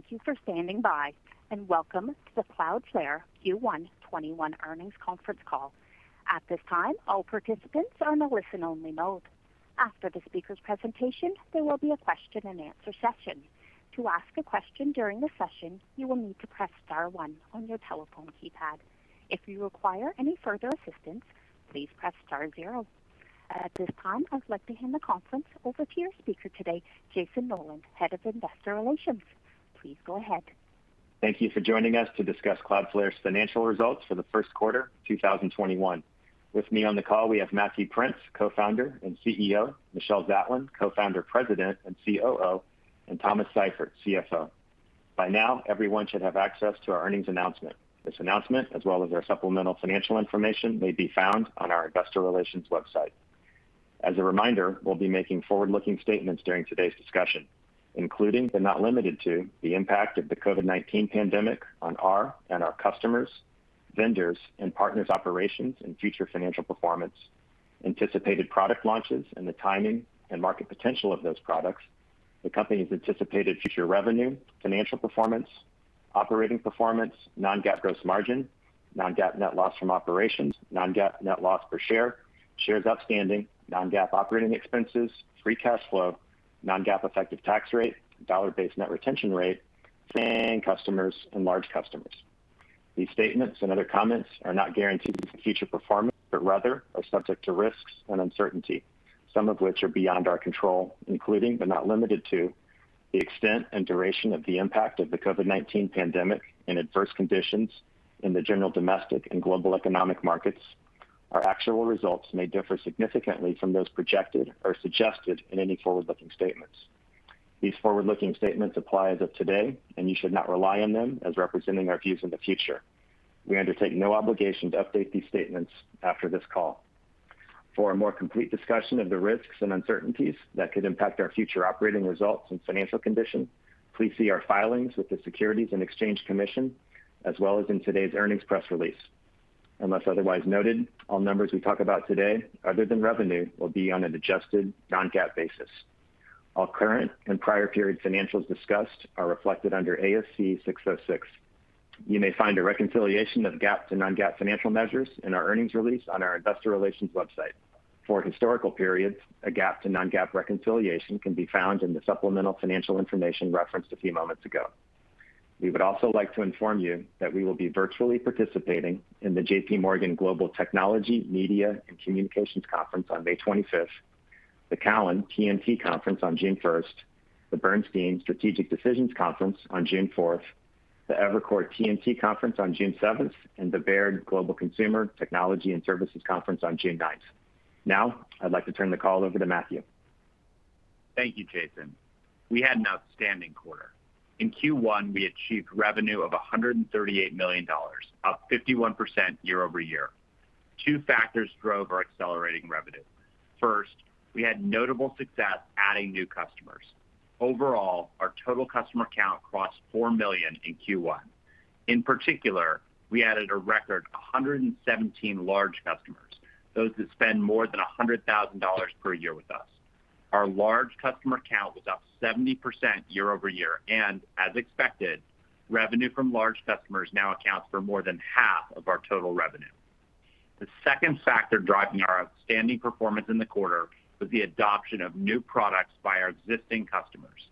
Thank you for standing by, and welcome to the Cloudflare Q1 2021 earnings conference call. At this time, all participants are in a listen-only mode. After the speaker's presentation, there will be a question and answer session. To ask a question during the session, you will need to press star one on your telephone keypad. If you require any further assistance, please press star zero. At this time, I would like to hand the conference over to your speaker today, Jayson Noland, Head of Investor Relations. Please go ahead. Thank you for joining us to discuss Cloudflare's financial results for the Q1 2021. With me on the call, we have Matthew Prince, Co-founder and CEO, Michelle Zatlyn, Co-founder, President, and COO, and Thomas Seifert, CFO. By now, everyone should have access to our earnings announcement. This announcement, as well as our supplemental financial information, may be found on our investor relations website. As a reminder, we'll be making forward-looking statements during today's discussion, including, but not limited to, the impact of the COVID-19 pandemic on our and our customers', vendors', and partners' operations and future financial performance, anticipated product launches, and the timing and market potential of those products, the company's anticipated future revenue, financial performance, operating performance, non-GAAP gross margin, non-GAAP net loss from operations, non-GAAP net loss per share, shares outstanding, non-GAAP operating expenses, free cash flow, non-GAAP effective tax rate, dollar-based net retention rate, and customers and large customers. These statements and other comments are not guarantees of future performance, but rather are subject to risks and uncertainty, some of which are beyond our control, including, but not limited to, the extent and duration of the impact of the COVID-19 pandemic and adverse conditions in the general domestic and global economic markets. Our actual results may differ significantly from those projected or suggested in any forward-looking statements. These forward-looking statements apply as of today, and you should not rely on them as representing our views in the future. We undertake no obligation to update these statements after this call. For a more complete discussion of the risks and uncertainties that could impact our future operating results and financial condition, please see our filings with the Securities and Exchange Commission, as well as in today's earnings press release. Unless otherwise noted, all numbers we talk about today, other than revenue, will be on an adjusted non-GAAP basis. All current and prior period financials discussed are reflected under ASC 606. You may find a reconciliation of GAAP to non-GAAP financial measures in our earnings release on our investor relations website. For historical periods, a GAAP to non-GAAP reconciliation can be found in the supplemental financial information referenced a few moments ago. We would also like to inform you that we will be virtually participating in the JPMorgan Global Technology, Media, and Communications Conference on May 25th, the Cowen TMT Conference on June 1st, the Bernstein Strategic Decisions Conference on June 4th, the Evercore TMT Conference on June 7th, and the Baird Global Consumer Technology and Services Conference on June 9th. Now, I'd like to turn the call over to Matthew. Thank you, Jayson. We had an outstanding quarter. In Q1, we achieved revenue of $138 million, up 51% year-over-year. Two factors drove our accelerating revenue. First, we had notable success adding new customers. Overall, our total customer count crossed four million in Q1. In particular, we added a record 117 large customers, those that spend more than $100,000 per year with us. Our large customer count was up 70% year-over-year. As expected, revenue from large customers now accounts for more than half of our total revenue. The second factor driving our outstanding performance in the quarter was the adoption of new products by our existing customers.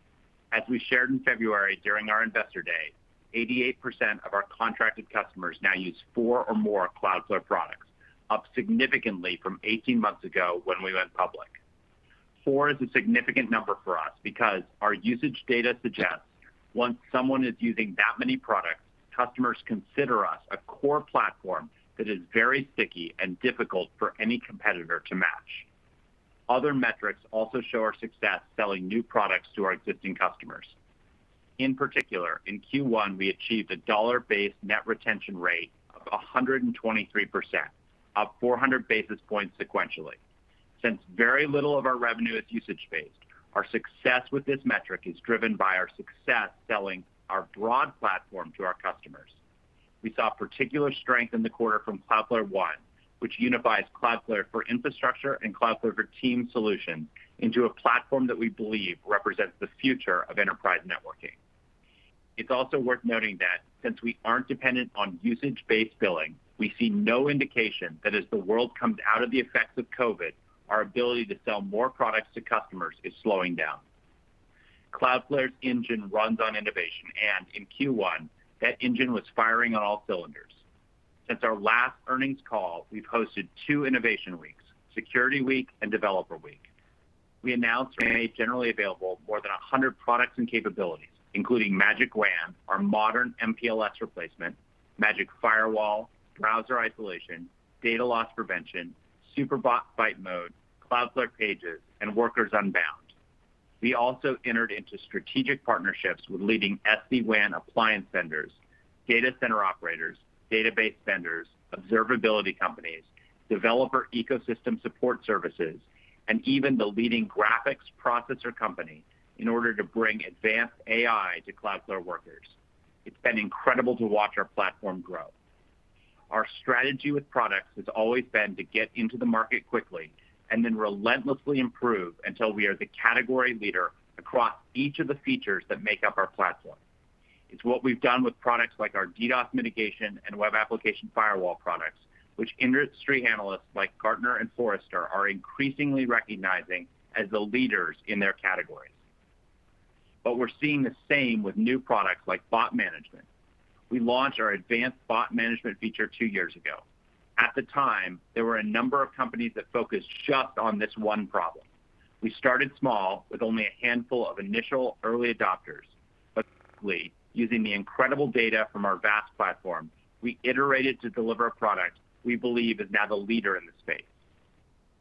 As we shared in February during our Investor Day, 88% of our contracted customers now use four or more Cloudflare products, up significantly from 18 months ago when we went public. Four is a significant number for us because our usage data suggests once someone is using that many products, customers consider us a core platform that is very sticky and difficult for any competitor to match. Other metrics also show our success selling new products to our existing customers. In particular, in Q1, we achieved a dollar-based net retention rate of 123%, up 400 basis points sequentially. Since very little of our revenue is usage-based, our success with this metric is driven by our success selling our broad platform to our customers. We saw particular strength in the quarter from Cloudflare One, which unifies Cloudflare for infrastructure and Cloudflare for Teams solution into a platform that we believe represents the future of enterprise networking. It's also worth noting that since we aren't dependent on usage-based billing, we see no indication that as the world comes out of the effects of COVID, our ability to sell more products to customers is slowing down. Cloudflare's engine runs on innovation, and in Q1, that engine was firing on all cylinders. Since our last earnings call, we've hosted two innovation weeks, Security Week and Developer Week. We announced and made generally available more than 100 products and capabilities, including Magic WAN, our modern MPLS replacement, Magic Firewall, Browser Isolation, Data Loss Prevention, Super Bot Fight Mode, Cloudflare Pages, and Workers Unbound. We also entered into strategic partnerships with leading SD-WAN appliance vendors, data center operators, database vendors, observability companies, developer ecosystem support services, and even the leading graphics processor company in order to bring advanced AI to Cloudflare Workers. It's been incredible to watch our platform grow. Our strategy with products has always been to get into the market quickly, and then relentlessly improve until we are the category leader across each of the features that make up our platform. It's what we've done with products like our DDoS mitigation and Web Application Firewall products, which industry analysts like Gartner and Forrester are increasingly recognizing as the leaders in their categories. But we're seeing the same with new products like Bot Management. We launched our advanced Bot Management feature two years ago. At the time, there were a number of companies that focused just on this one problem. We started small with only a handful of initial early adopters, but quickly, using the incredible data from our vast platform, we iterated to deliver a product we believe is now the leader in the space.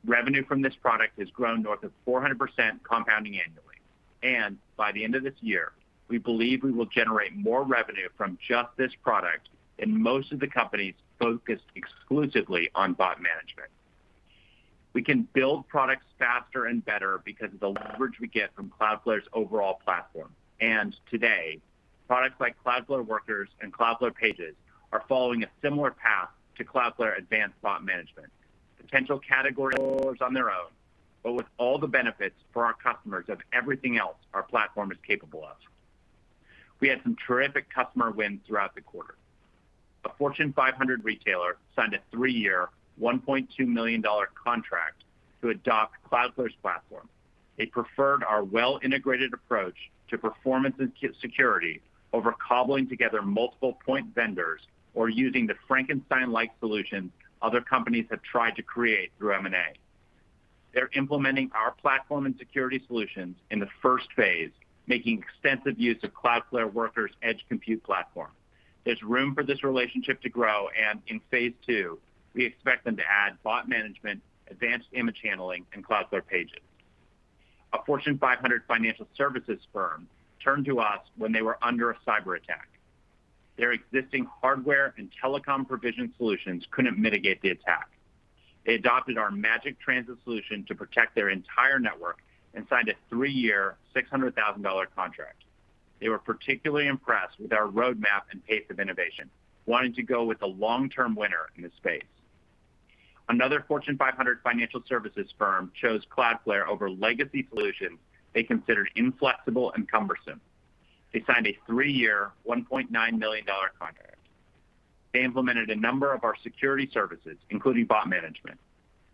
Revenue from this product has grown north of 400% compounding annually, and by the end of this year, we believe we will generate more revenue from just this product in most of the companies focused exclusively on bot management. We can build products faster and better because of the leverage we get from Cloudflare's overall platform. Today, products like Cloudflare Workers and Cloudflare Pages are following a similar path to Cloudflare Bot Management. Potential category leaders on their own, but with all the benefits for our customers of everything else our platform is capable of. We had some terrific customer wins throughout the quarter. A Fortune 500 retailer signed a three-year, $1.2 million contract to adopt Cloudflare's platform. They preferred our well-integrated approach to performance and security over cobbling together multiple point vendors or using the Frankenstein-like solutions other companies have tried to create through M&A. They're implementing our platform and security solutions in the first phase, making extensive use of Cloudflare Workers' Edge Compute platform. There's room for this relationship to grow, and in phase II, we expect them to add bot management, advanced image handling, and Cloudflare Pages. A Fortune 500 financial services firm turned to us when they were under a cyberattack. Their existing hardware and telecom provision solutions couldn't mitigate the attack. They adopted our Magic Transit solution to protect their entire network and signed a three-year, $600,000 contract. They were particularly impressed with our roadmap and pace of innovation, wanting to go with the long-term winner in the space. Another Fortune 500 financial services firm chose Cloudflare over legacy solutions they considered inflexible and cumbersome. They signed a three-year, $1.9 million contract. They implemented a number of our security services, including bot management.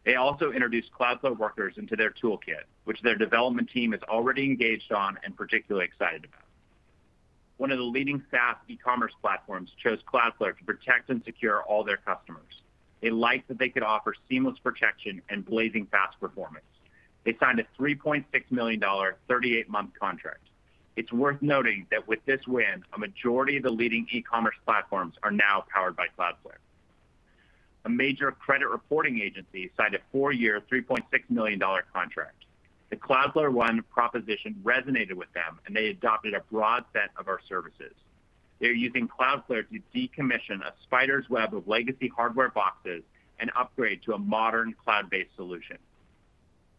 They also introduced Cloudflare Workers into their toolkit, which their development team is already engaged on and particularly excited about. One of the leading SaaS e-commerce platforms chose Cloudflare to protect and secure all their customers. They liked that they could offer seamless protection and blazing fast performance. They signed a $3.6 million, 38-month contract. It's worth noting that with this win, a majority of the leading e-commerce platforms are now powered by Cloudflare. A major credit reporting agency signed a four-year, $3.6 million contract. The Cloudflare One proposition resonated with them, and they adopted a broad set of our services. They're using Cloudflare to decommission a spider's web of legacy hardware boxes and upgrade to a modern cloud-based solution.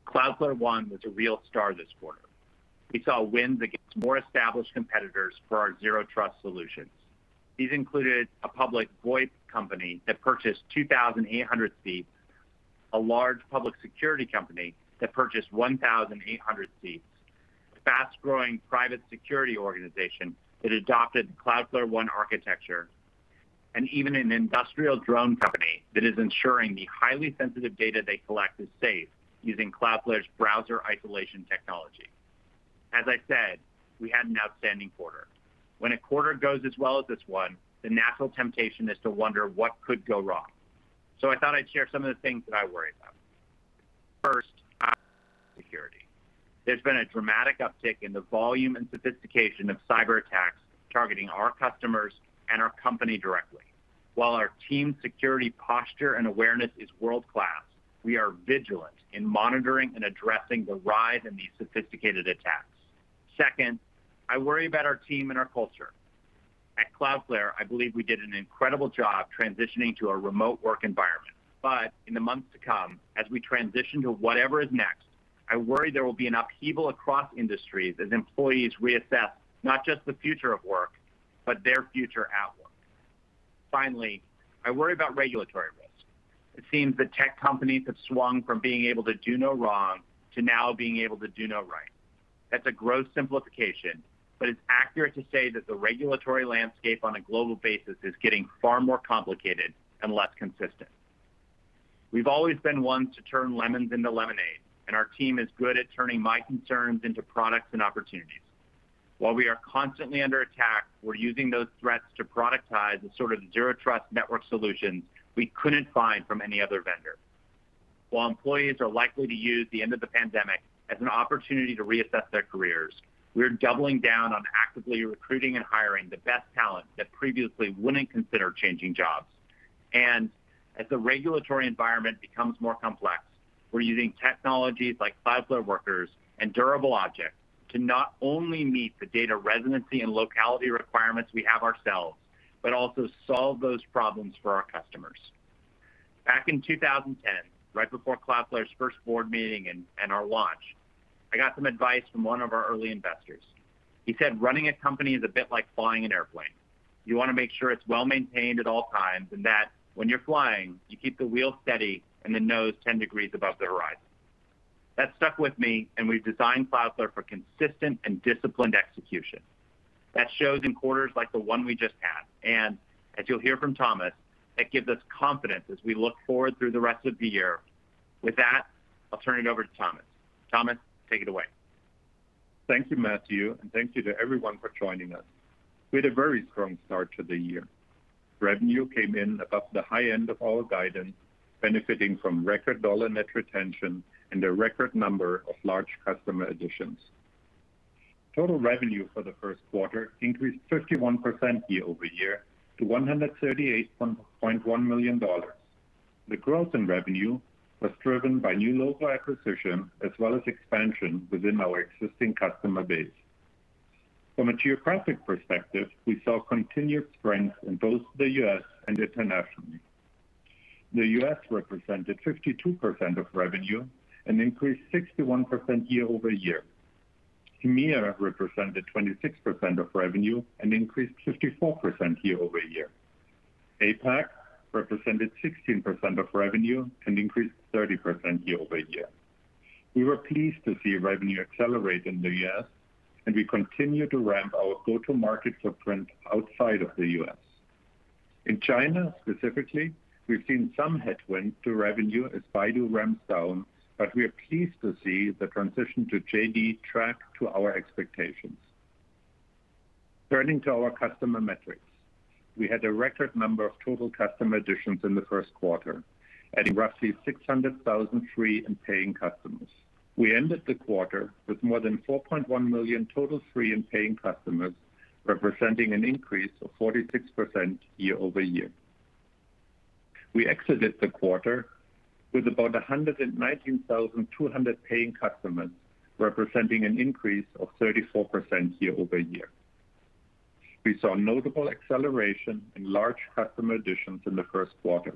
Cloudflare One was a real star this quarter. We saw wins against more established competitors for our Zero Trust solutions. These included a public VoIP company that purchased 2,800 seats, a large public security company that purchased 1,800 seats, a fast-growing private security organization that adopted Cloudflare One architecture, and even an industrial drone company that is ensuring the highly sensitive data they collect is safe using Cloudflare's Browser Isolation technology. As I said, we had an outstanding quarter. When a quarter goes as well as this one, the natural temptation is to wonder what could go wrong. I thought I'd share some of the things that I worry about. First, security. There's been a dramatic uptick in the volume and sophistication of cyberattacks targeting our customers and our company directly. While our team security posture and awareness is world-class, we are vigilant in monitoring and addressing the rise in these sophisticated attacks. Second, I worry about our team and our culture. At Cloudflare, I believe we did an incredible job transitioning to a remote work environment. In the months to come, as we transition to whatever is next, I worry there will be an upheaval across industries as employees reassess not just the future of work, but their future outlook. Finally, I worry about regulatory risk. It seems that tech companies have swung from being able to do no wrong to now being able to do no right. That's a gross simplification, but it's accurate to say that the regulatory landscape on a global basis is getting far more complicated and less consistent. We've always been ones to turn lemons into lemonade, and our team is good at turning my concerns into products and opportunities. While we are constantly under attack, we're using those threats to productize the sort of Zero Trust network solutions we couldn't find from any other vendor. While employees are likely to use the end of the pandemic as an opportunity to reassess their careers, we're doubling down on actively recruiting and hiring the best talent that previously wouldn't consider changing jobs. As the regulatory environment becomes more complex, we're using technologies like Cloudflare Workers and Durable Objects to not only meet the data residency and locality requirements we have ourselves, but also solve those problems for our customers. Back in 2010, right before Cloudflare's first board meeting and our launch, I got some advice from one of our early investors. He said, "Running a company is a bit like flying an airplane. You want to make sure it's well-maintained at all times, and that when you're flying, you keep the wheel steady and the nose 10 degrees above the horizon." That stuck with me, and we've designed Cloudflare for consistent and disciplined execution. That shows in quarters like the one we just had, and as you'll hear from Thomas, it gives us confidence as we look forward through the rest of the year. With that, I'll turn it over to Thomas. Thomas, take it away. Thank you, Matthew, and thank you to everyone for joining us. We had a very strong start to the year. Revenue came in above the high end of our guidance, benefiting from record dollar net retention and a record number of large customer additions. Total revenue for the Q1 increased 51% year-over-year to $138.1 million. The growth in revenue was driven by new logo acquisition as well as expansion within our existing customer base. From a geographic perspective, we saw continued strength in both the U.S. and internationally. The U.S. represented 52% of revenue and increased 61% year-over-year. EMEA represented 26% of revenue and increased 54% year-over-year. APAC represented 16% of revenue and increased 30% year-over-year. We were pleased to see revenue accelerate in the U.S., and we continue to ramp our go-to-market footprint outside of the U.S. In China specifically, we've seen some headwinds to revenue as Baidu ramps down, but we are pleased to see the transition to JD.com track to our expectations. Turning to our customer metrics. We had a record number of total customer additions in the Q1, adding roughly 600,000 free and paying customers. We ended the quarter with more than 4.1 million total free and paying customers, representing an increase of 46% year-over-year. We exited the quarter with about 119,200 paying customers, representing an increase of 34% year-over-year. We saw notable acceleration in large customer additions in the Q1,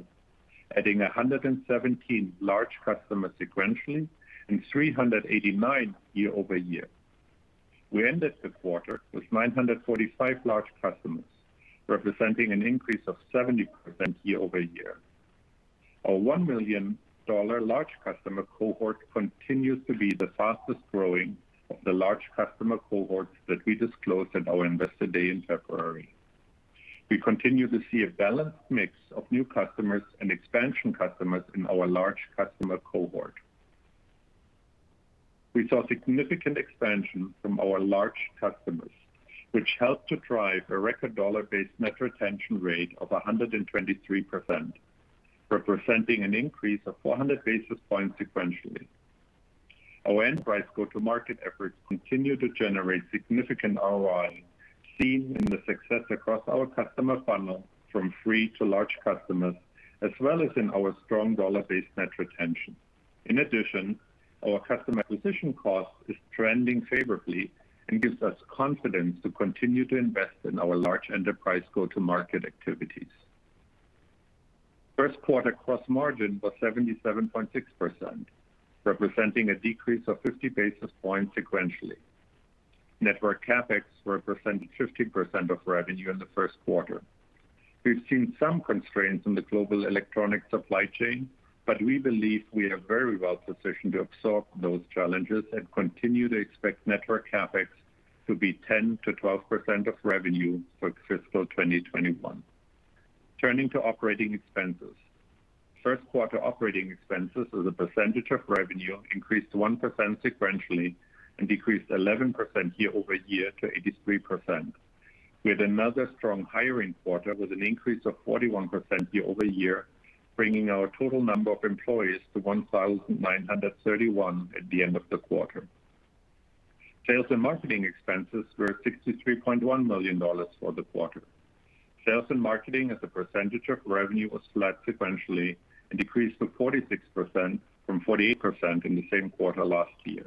adding 117 large customers sequentially and 389 year-over-year. We ended the quarter with 945 large customers, representing an increase of 70% year-over-year. Our $1 million large customer cohort continues to be the fastest-growing of the large customer cohorts that we disclosed at our Investor Day in February. We continue to see a balanced mix of new customers and expansion customers in our large customer cohort. We saw significant expansion from our large customers, which helped to drive a record dollar-based net retention rate of 123%, representing an increase of 400 basis points sequentially. Our enterprise go-to-market efforts continue to generate significant ROI seen in the success across our customer funnel from free to large customers, as well as in our strong dollar-based net retention. In addition, our customer acquisition cost is trending favorably and gives us confidence to continue to invest in our large enterprise go-to-market activities. Q1 gross margin was 77.6%, representing a decrease of 50 basis points sequentially. Network CapEx represented 15% of revenue in the Q1. We've seen some constraints in the global electronic supply chain. We believe we are very well positioned to absorb those challenges and continue to expect network CapEx to be 10%-12% of revenue for fiscal 2021. Turning to operating expenses. Q1 operating expenses as a percentage of revenue increased 1% sequentially and decreased 11% year-over-year to 83%, with another strong hiring quarter with an increase of 41% year-over-year, bringing our total number of employees to 1,931 at the end of the quarter. Sales and marketing expenses were $63.1 million for the quarter. Sales and marketing as a percentage of revenue was flat sequentially and decreased to 46% from 48% in the same quarter last year.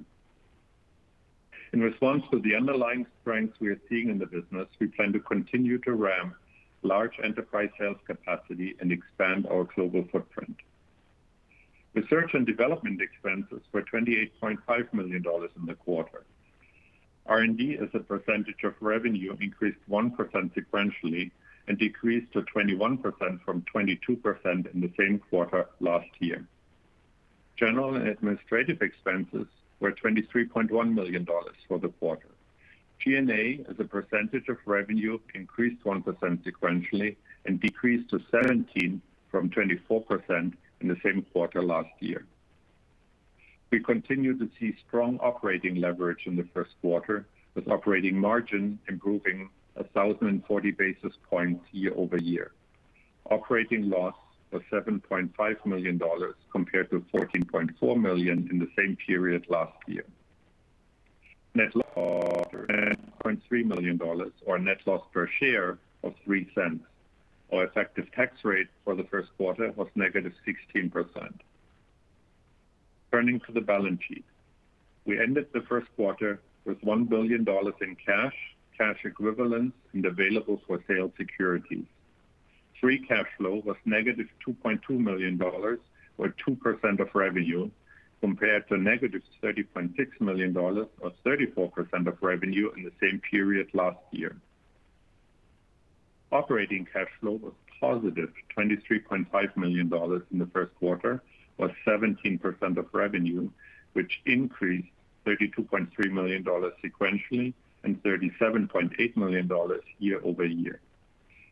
In response to the underlying strength we are seeing in the business, we plan to continue to ramp large enterprise sales capacity and expand our global footprint. Research and development expenses were $28.5 million in the quarter. R&D as a percentage of revenue increased 1% sequentially and decreased to 21% from 22% in the same quarter last year. General and administrative expenses were $23.1 million for the quarter. G&A as a percentage of revenue increased 1% sequentially and decreased to 17% from 24% in the same quarter last year. We continued to see strong operating leverage in the Q1 with operating margin improving 1,040 basis points year-over-year. Operating loss was $7.5 million compared to $14.4 million in the same period last year. Net loss of $9.3 million, or net loss per share of $0.03. Our effective tax rate for the Q1 was negative 16%. Turning to the balance sheet. We ended the Q1 with $1 billion in cash equivalents, and available-for-sale securities. Free cash flow was -$2.2 million, or 2% of revenue, compared to -$30.6 million, or 34% of revenue in the same period last year. Operating cash flow was +$23.5 million in the Q1, or 17% of revenue, which increased $32.3 million sequentially, and $37.8 million year-over-year.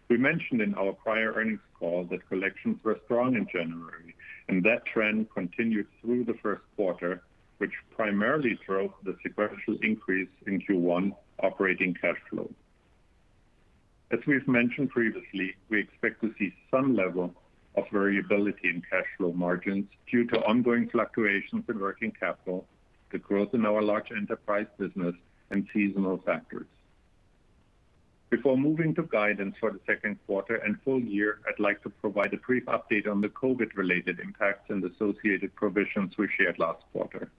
We mentioned in our prior earnings call that collections were strong in January, and that trend continued through the Q1, which primarily drove the sequential increase in Q1 operating cash flow. As we've mentioned previously, we expect to see some level of variability in cash flow margins due to ongoing fluctuations in working capital, the growth in our large enterprise business, and seasonal factors. Before moving to guidance for the Q2 and full year, I'd like to provide a brief update on the COVID-related impacts and associated provisions we shared last quarter.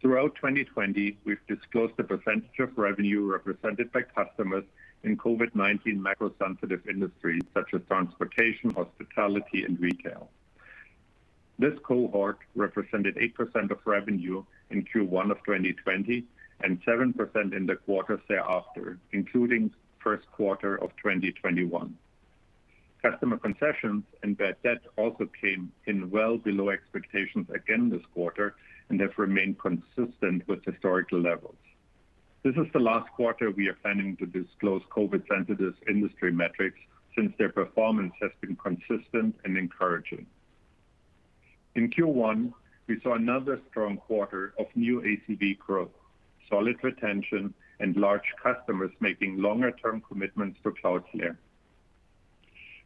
Throughout 2020, we've disclosed the percentage of revenue represented by customers in COVID-19 macro-sensitive industries such as transportation, hospitality, and retail. This cohort represented 8% of revenue in Q1 of 2020, and 7% in the quarters thereafter, including Q1 of 2021. Customer concessions and bad debt also came in well below expectations again this quarter, and have remained consistent with historical levels. This is the last quarter we are planning to disclose COVID-sensitive industry metrics, since their performance has been consistent and encouraging. In Q1, we saw another strong quarter of new ACV growth, solid retention, and large customers making longer-term commitments to Cloudflare.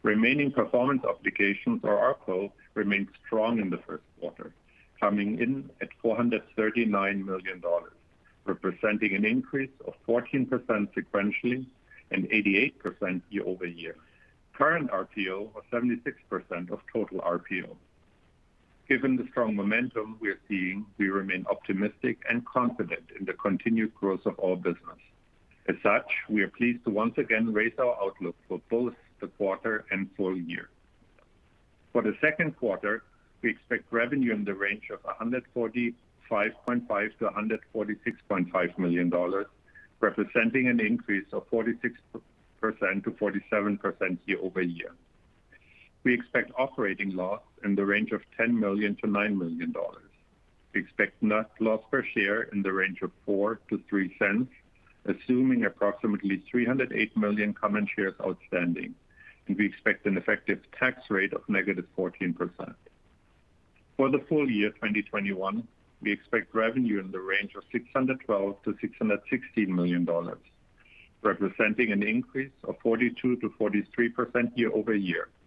Remaining performance obligations, or RPO, remained strong in the Q1, coming in at $439 million, representing an increase of 14% sequentially, and 88% year-over-year. Current RPO was 76% of total RPO. Given the strong momentum we are seeing, we remain optimistic and confident in the continued growth of our business. As such, we are pleased to once again raise our outlook for both the quarter and full year. For the Q2, we expect revenue in the range of $145.5 million-$146.5 million, representing an increase of 46%-47% year-over-year. We expect operating loss in the range of $10 million-$9 million. We expect net loss per share in the range of $0.04-$0.03, assuming approximately 308 million common shares outstanding, and we expect an effective tax rate of -14%. For the full year 2021, we expect revenue in the range of $612 million-$616 million, representing an increase of 42%-43% year-over-year. We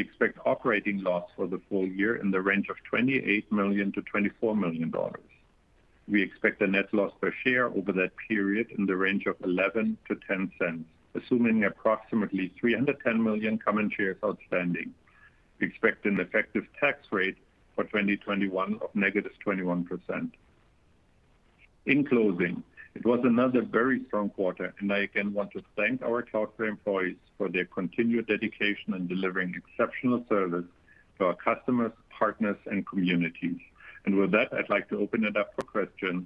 expect operating loss for the full year in the range of $28 million-$24 million. We expect a net loss per share over that period in the range of $0.11-$0.10, assuming approximately 310 million common shares outstanding. We expect an effective tax rate for 2021 of -21%. In closing, it was another very strong quarter. I again want to thank our Cloudflare employees for their continued dedication in delivering exceptional service to our customers, partners, and communities. With that, I'd like to open it up for questions.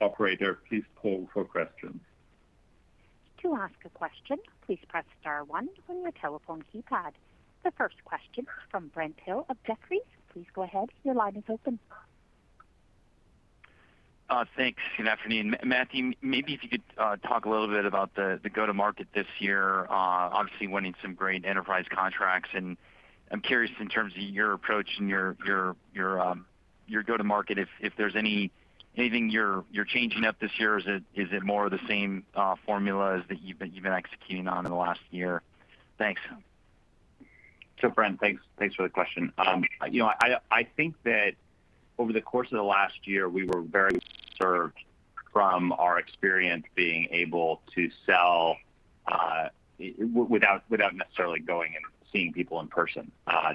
Operator, please poll for questions. To ask a question please press star one from your telephone keypad. The first question from Brent Thill of Jefferies. Please go ahead, your line is open. Thanks. Good afternoon. Matthew, maybe if you could talk a little bit about the go-to market this year. Obviously winning some great enterprise contracts, and I'm curious in terms of your approach and your go-to market, if there's anything you're changing up this year, or is it more of the same formulas that you've been executing on in the last year? Thanks. Brent, thanks for the question. I think that over the course of the last year, we were very underserved from our experience being able to sell without necessarily going and seeing people in person.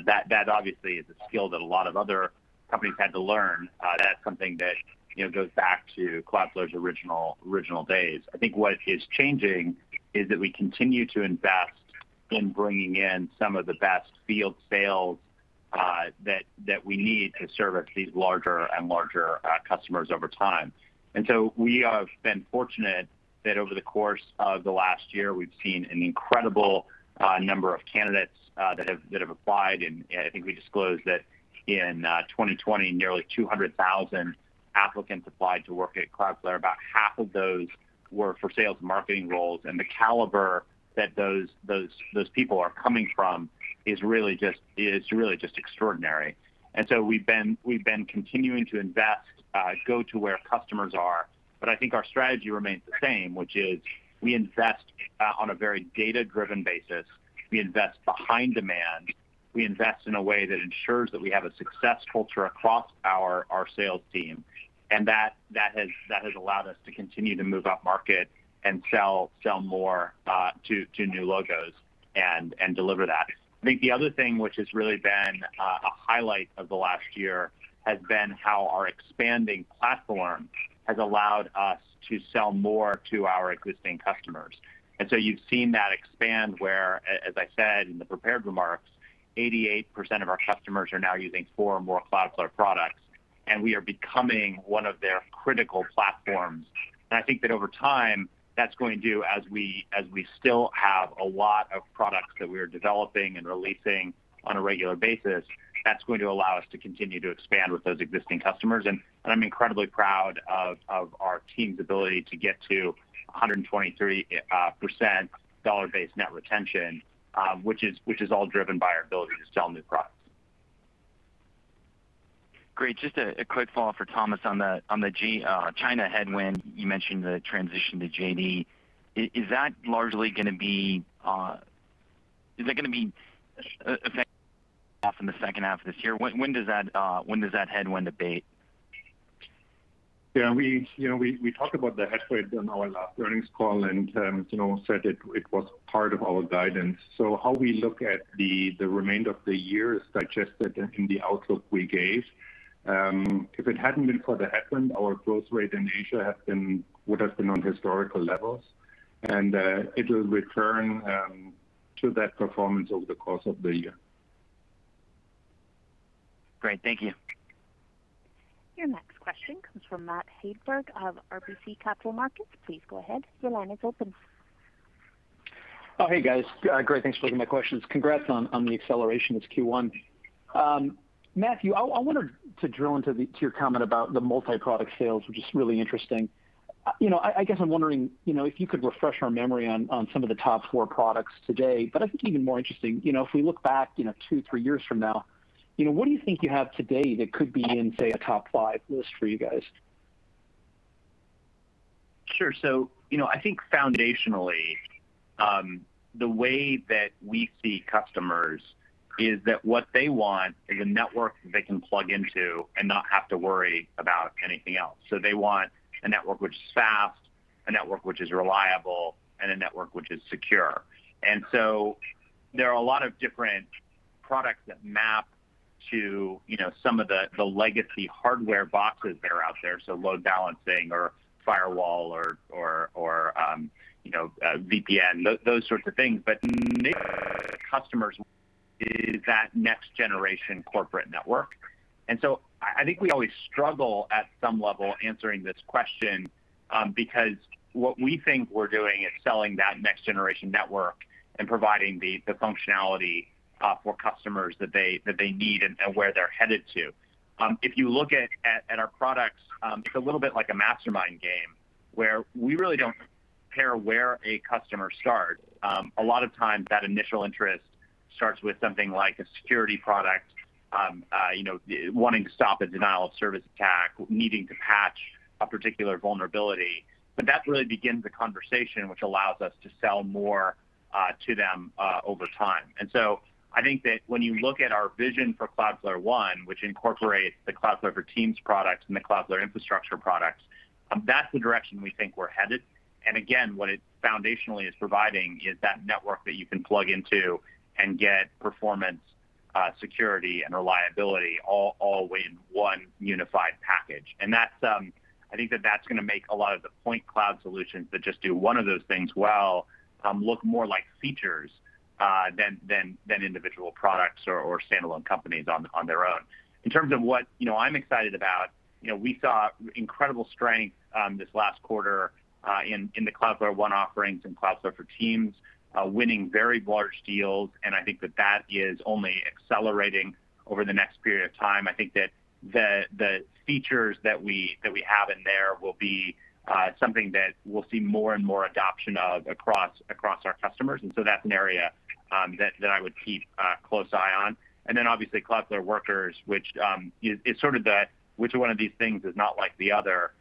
That obviously is a skill that a lot of other companies had to learn. That's something that goes back to Cloudflare's original days. I think what is changing is that we continue to invest in bringing in some of the best field sales that we need to service these larger and larger customers over time. We have been fortunate that over the course of the last year, we've seen an incredible number of candidates that have applied, and I think we disclosed that in 2020, nearly 200,000 applicants applied to work at Cloudflare. About half of those were for sales and marketing roles, and the caliber that those people are coming from is really just extraordinary. We've been continuing to invest, go to where customers are. I think our strategy remains the same, which is we invest on a very data-driven basis. We invest behind demand We invest in a way that ensures that we have a success culture across our sales team, that has allowed us to continue to move up market and sell more to new logos and deliver that. I think the other thing which has really been a highlight of the last year has been how our expanding platform has allowed us to sell more to our existing customers. So you've seen that expand where, as I said in the prepared remarks, 88% of our customers are now using four or more Cloudflare products, and we are becoming one of their critical platforms. I think that over time, as we still have a lot of products that we are developing and releasing on a regular basis, that's going to allow us to continue to expand with those existing customers. I'm incredibly proud of our team's ability to get to 123% dollar-based net retention, which is all driven by our ability to sell new products. Great. Just a quick follow-up for Thomas on the China headwind. You mentioned the transition to JD.com. Is that going to be effective off in the H2 of this year? When does that headwind abate? Yeah, we talked about the headwind on our last earnings call and said it was part of our guidance. How we look at the remainder of the year is digested in the outlook we gave. If it hadn't been for the headwind, our growth rate in Asia would have been on historical levels. It will return to that performance over the course of the year. Great. Thank you. Your next question comes from Matt Hedberg of RBC Capital Markets. Please go ahead. Your line is open. Hey guys. Great. Thanks for taking my questions. Congrats on the acceleration this Q1. Matthew, I wanted to drill into your comment about the multi-product sales, which is really interesting. I guess I'm wondering if you could refresh our memory on some of the top four products today, but I think even more interesting, if we look back two, three years from now, what do you think you have today that could be in, say, a top five list for you guys? Sure. I think foundationally, the way that we see customers is that what they want is a network that they can plug into and not have to worry about anything else. They want a network which is fast, a network which is reliable, and a network which is secure. There are a lot of different products that map to some of the legacy hardware boxes that are out there, so load balancing or firewall or VPN, those sorts of things. Niche customers is that next generation corporate network. I think we always struggle at some level answering this question, because what we think we're doing is selling that next generation network and providing the functionality for customers that they need and where they're headed to. If you look at our products, it's a little bit like a mastermind game where we really don't care where a customer starts. A lot of times that initial interest starts with something like a security product, wanting to stop a denial-of-service attack, needing to patch a particular vulnerability. That really begins the conversation, which allows us to sell more to them over time. I think that when you look at our vision for Cloudflare One, which incorporates the Cloudflare for Teams product and the Cloudflare infrastructure products, that's the direction we think we're headed. Again, what it foundationally is providing is that network that you can plug into and get performance, security, and reliability all the way in one unified package. I think that that's going to make a lot of the point cloud solutions that just do one of those things well look more like features than individual products or standalone companies on their own. In terms of what I'm excited about, we saw incredible strength this last quarter in the Cloudflare One offerings and Cloudflare for Teams winning very large deals, and I think that that is only accelerating over the next period of time. I think that the features that we have in there will be something that we'll see more and more adoption of across our customers. That's an area that I would keep a close eye on. Then obviously Cloudflare Workers, which is sort of the which one of these things is not like the other.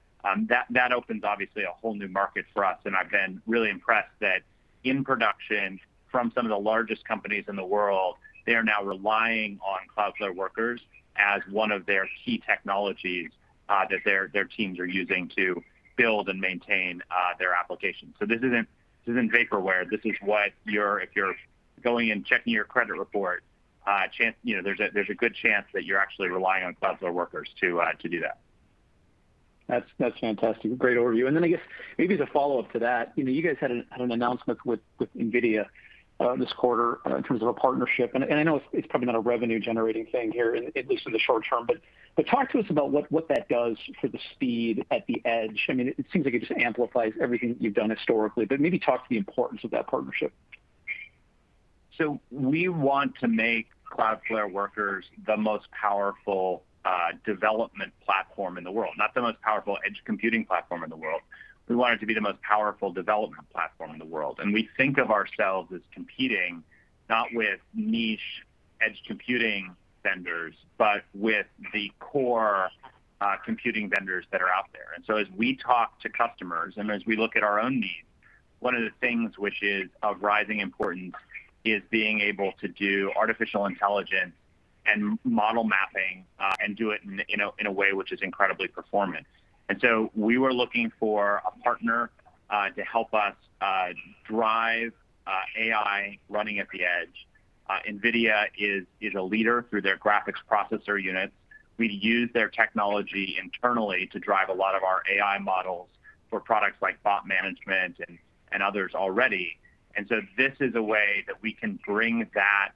That opens obviously a whole new market for us, and I've been really impressed that in production from some of the largest companies in the world, they are now relying on Cloudflare Workers as one of their key technologies that their teams are using to build and maintain their applications. This isn't vaporware. If you're going and checking your credit report, there's a good chance that you're actually relying on Cloudflare Workers to do that. That's fantastic. Great overview. I guess maybe as a follow-up to that, you guys had an announcement with NVIDIA this quarter in terms of a partnership, and I know it's probably not a revenue-generating thing here, at least in the short term. Talk to us about what that does for the speed at the edge. It seems like it just amplifies everything you've done historically, but maybe talk to the importance of that partnership. We want to make Cloudflare Workers the most powerful development platform in the world, not the most powerful edge computing platform in the world. We want it to be the most powerful development platform in the world, and we think of ourselves as competing, not with niche edge computing vendors, but with the core computing vendors that are out there. As we talk to customers and as we look at our own needs. One of the things which is of rising importance is being able to do artificial intelligence and model mapping, and do it in a way which is incredibly performant. We were looking for a partner to help us drive AI running at the edge. NVIDIA is a leader through their graphics processor units. We use their technology internally to drive a lot of our AI models for products like Bot Management and others already. This is a way that we can bring that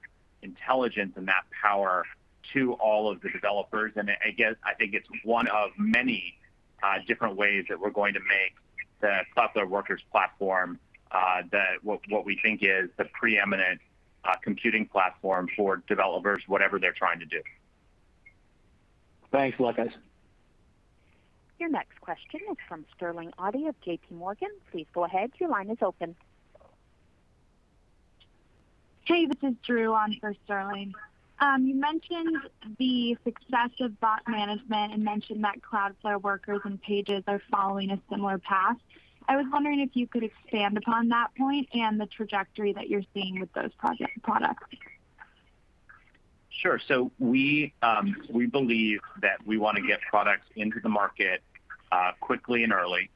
intelligence and that power to all of the developers. Again, I think it's one of many different ways that we're going to make the Cloudflare Workers platform what we think is the preeminent computing platform for developers, whatever they're trying to do. Thanks a lot, guys. Your next question is from Sterling Auty of JPMorgan. Please go ahead, your line is open. Hey, this is Drew on for Sterling. You mentioned the success of Bot Management and mentioned that Cloudflare Workers and Pages are following a similar path. I was wondering if you could expand upon that point and the trajectory that you're seeing with those products. Sure. We believe that we want to get products into the market quickly and early,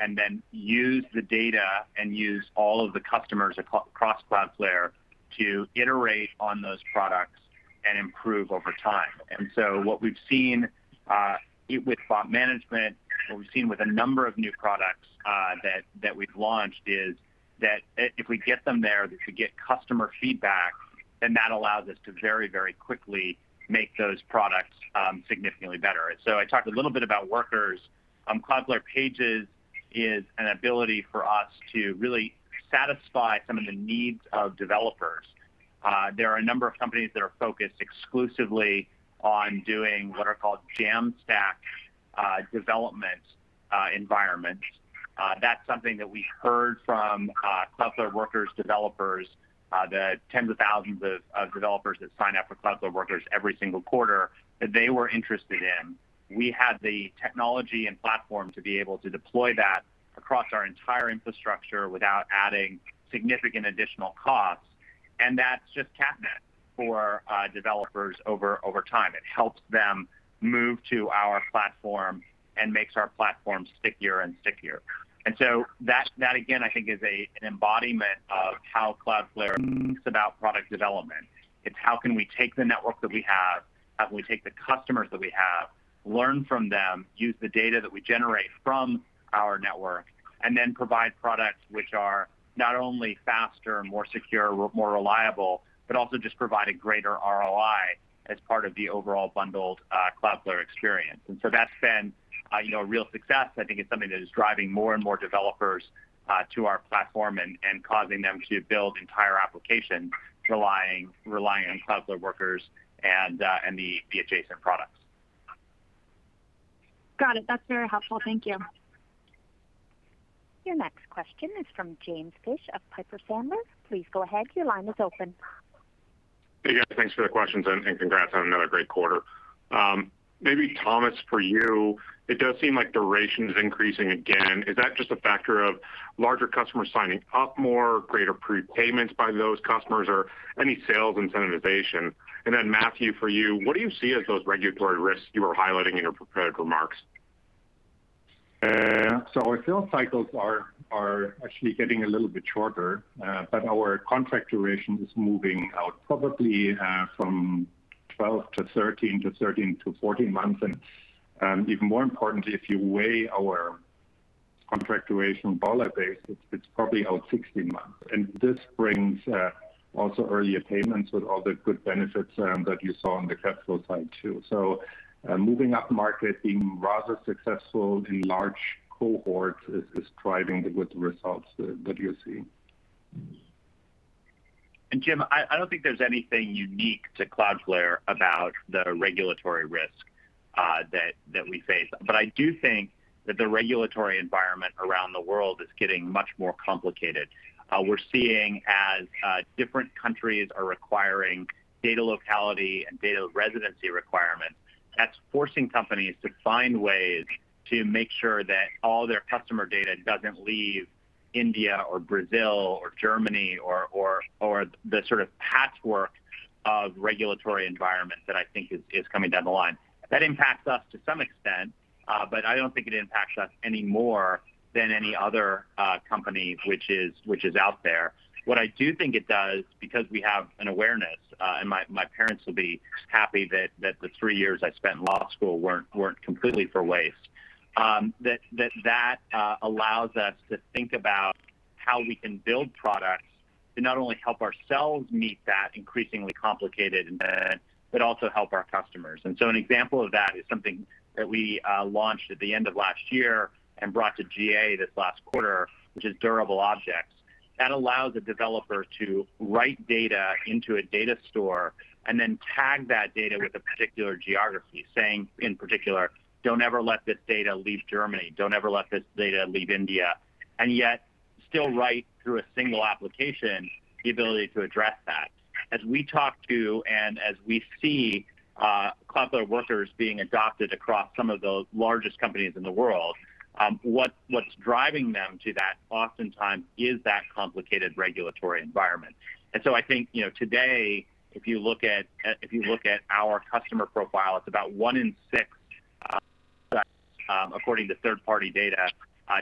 and then use the data and use all of the customers across Cloudflare to iterate on those products and improve over time. What we've seen with Cloudflare Bot Management, what we've seen with a number of new products that we've launched, is that if we get them there, if we get customer feedback, then that allows us to very quickly make those products significantly better. I talked a little bit about Cloudflare Workers. Cloudflare Pages is an ability for us to really satisfy some of the needs of developers. There are a number of companies that are focused exclusively on doing what are called Jamstack development environments. That's something that we heard from Cloudflare Workers developers, the tens of thousands of developers that sign up for Cloudflare Workers every single quarter, that they were interested in. We had the technology and platform to be able to deploy that across our entire infrastructure without adding significant additional costs, and that's just catnip for developers over time. It helps them move to our platform and makes our platform stickier and stickier. That again, I think is an embodiment of how Cloudflare thinks about product development. It's how can we take the network that we have, how can we take the customers that we have, learn from them, use the data that we generate from our network, and then provide products which are not only faster and more secure, more reliable, but also just provide a greater ROI as part of the overall bundled Cloudflare experience. That's been a real success. I think it's something that is driving more and more developers to our platform and causing them to build entire applications relying on Cloudflare Workers and the adjacent products. Got it. That's very helpful. Thank you. Your next question is from James Fish of Piper Sandler. Please go ahead. Your line is open. Hey, guys, thanks for the questions. Congrats on another great quarter. Maybe Thomas, for you, it does seem like duration is increasing again. Is that just a factor of larger customers signing up more, greater prepayments by those customers, or any sales incentivization? Matthew, for you, what do you see as those regulatory risks you were highlighting in your prepared remarks? Our sales cycles are actually getting a little bit shorter, but our contract duration is moving out probably from 12-13 to 13-14 months. Even more importantly, if you weigh our contract duration dollar-based, it's probably out 16 months. This brings also earlier payments with all the good benefits that you saw on the capital side, too. Moving up market, being rather successful in large cohorts is driving the good results that you're seeing. Jim, I don't think there's anything unique to Cloudflare about the regulatory risk that we face. I do think that the regulatory environment around the world is getting much more complicated. We're seeing as different countries are requiring data locality and data residency requirements. That's forcing companies to find ways to make sure that all their customer data doesn't leave India or Brazil or Germany or the sort of patchwork of regulatory environments that I think is coming down the line. That impacts us to some extent, but I don't think it impacts us any more than any other company which is out there. What I do think it does, because we have an awareness, and my parents will be happy that the three years I spent in law school weren't completely for waste, that allows us to think about how we can build products to not only help ourselves meet that increasingly complicated demand, but also help our customers. An example of that is something that we launched at the end of last year and brought to GA this last quarter, which is Durable Objects. That allows a developer to write data into a data store and then tag that data with a particular geography, saying, in particular, "Don't ever let this data leave Germany. Don't ever let this data leave India." Yet still right, through a single application, the ability to address that. As we talk to, and as we see Cloudflare Workers being adopted across some of the largest companies in the world, what's driving them to that oftentimes is that complicated regulatory environment. I think today, if you look at our customer profile, it's about one in six according to third-party data,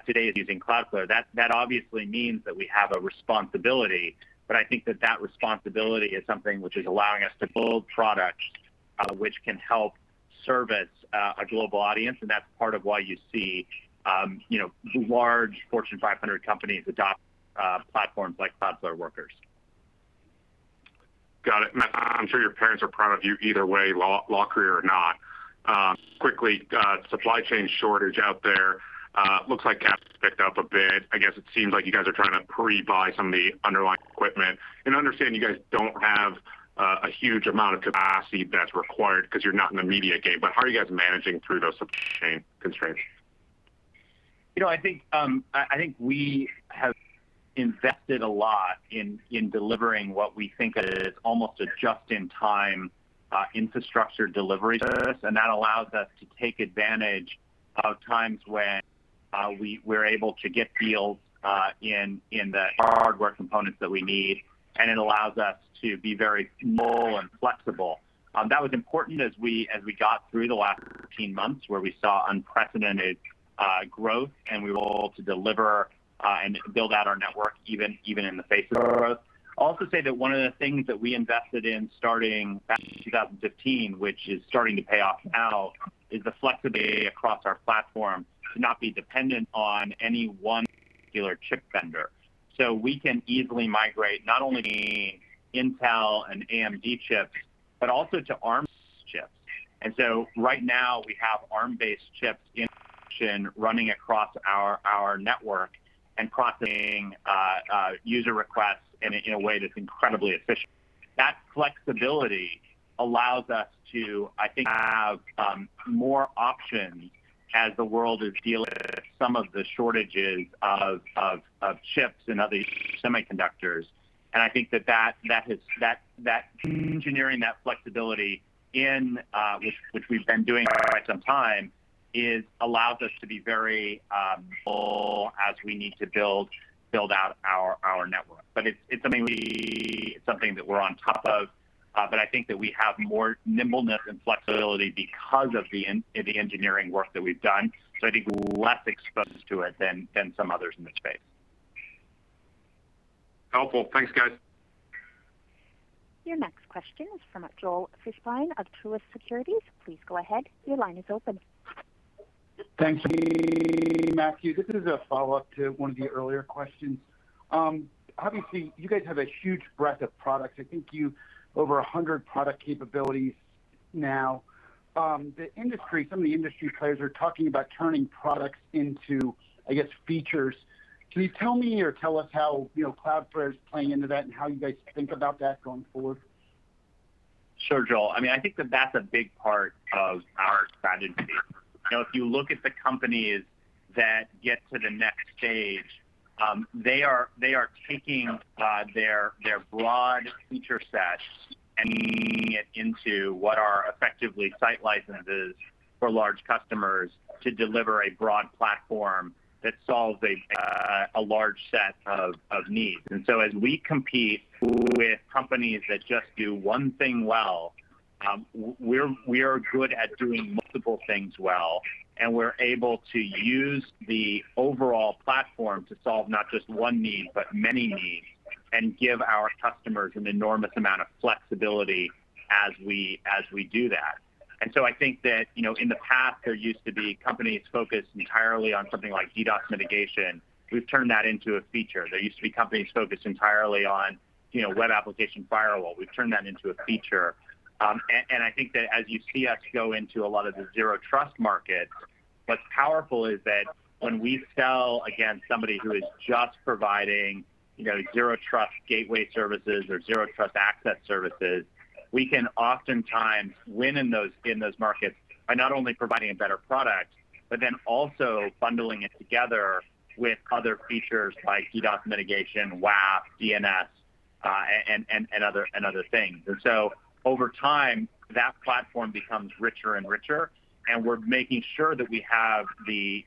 today is using Cloudflare. That obviously means that we have a responsibility, but I think that that responsibility is something which is allowing us to build products which can help service a global audience. That's part of why you see large Fortune 500 companies adopt platforms like Cloudflare Workers. Got it. Matthew, I'm sure your parents are proud of you either way, law career or not. Quickly, supply chain shortage out there. Looks like CapEx picked up a bit. I guess it seems like you guys are trying to pre-buy some of the underlying equipment. I understand you guys don't have a huge amount of capacity that's required because you're not in the media game, but how are you guys managing through those supply chain constraints? I think we have invested a lot in delivering what we think is almost a just-in-time infrastructure delivery service. That allows us to take advantage of times when we're able to get deals in the hardware components that we need, and it allows us to be very nimble and flexible. That was important as we got through the last 18 months, where we saw unprecedented growth, and we were able to deliver and build out our network even in the face of growth. Also say that one of the things that we invested in starting back in 2015, which is starting to pay off now, is the flexibility across our platform to not be dependent on any one particular chip vendor. We can easily migrate not only Intel and AMD chips, but also to Arm-based chips. Right now we have Arm-based chips in production running across our network and processing user requests in a way that's incredibly efficient. That flexibility allows us to, I think, have more options as the world is dealing with some of the shortages of chips and other semiconductors. I think that engineering that flexibility in, which we've been doing for quite some time, allows us to be very nimble as we need to build out our network. It's something that we're on top of, but I think that we have more nimbleness and flexibility because of the engineering work that we've done. I think we're less exposed to it than some others in the space. Helpful. Thanks, guys. Your next question is from Joel Fishbein of Truist Securities. Please go ahead. Your line is open. Thank you, Matthew. This is a follow-up to one of the earlier questions. Obviously you guys have a huge breadth of products. I think you have over 100 product capabilities now. Some of the industry players are talking about turning products into, I guess, features. Can you tell me or tell us how Cloudflare is playing into that and how you guys think about that going forward? Sure, Joel. I think that that's a big part of our strategy. You look at the companies that get to the next stage, they are taking their broad feature sets and making it into what are effectively site licenses for large customers to deliver a broad platform that solves a large set of needs. As we compete with companies that just do one thing well, we are good at doing multiple things well, and we're able to use the overall platform to solve not just one need, but many needs, and give our customers an enormous amount of flexibility as we do that. I think that, in the past there used to be companies focused entirely on something like DDoS mitigation. We've turned that into a feature. There used to be companies focused entirely on Web Application Firewall. We've turned that into a feature. I think that as you see us go into a lot of the Zero Trust market, what's powerful is that when we sell, again, somebody who is just providing Zero Trust gateway services or Zero Trust access services, we can oftentimes win in those markets by not only providing a better product, also bundling it together with other features like DDoS mitigation, WAF, DNS, and other things. Over time, that platform becomes richer and richer, we're making sure that we have the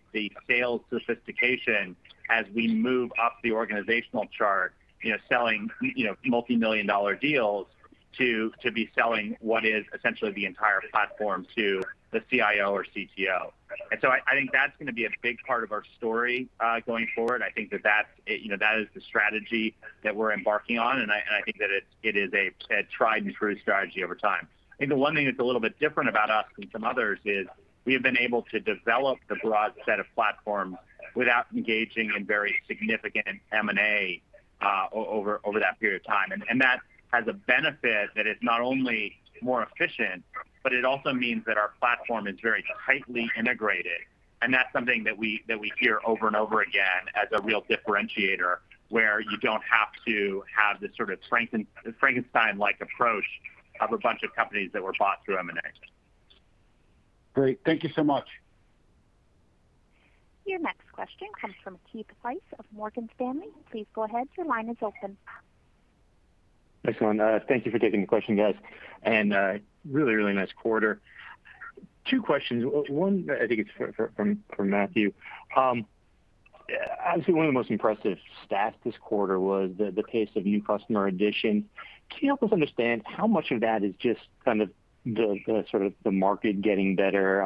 sales sophistication as we move up the organizational chart, selling multimillion-dollar deals to be selling what is essentially the entire platform to the CIO or CTO. I think that's going to be a big part of our story going forward. I think that is the strategy that we're embarking on, and I think that it is a tried and true strategy over time. I think the one thing that's a little bit different about us than some others is we have been able to develop the broad set of platforms without engaging in very significant M&A over that period of time. And that has a benefit that is not only more efficient, but it also means that our platform is very tightly integrated, and that's something that we hear over and over again as a real differentiator, where you don't have to have this sort of Frankenstein-like approach of a bunch of companies that were bought through M&A. Great. Thank you so much. Your next question comes from Keith Weiss of Morgan Stanley. Please go ahead. Excellent. Thank you for taking the question, guys. Really, really nice quarter. Two questions. One, I think it's for Matthew. Obviously, one of the most impressive stats this quarter was the pace of new customer addition. Can you help us understand how much of that is just the market getting better,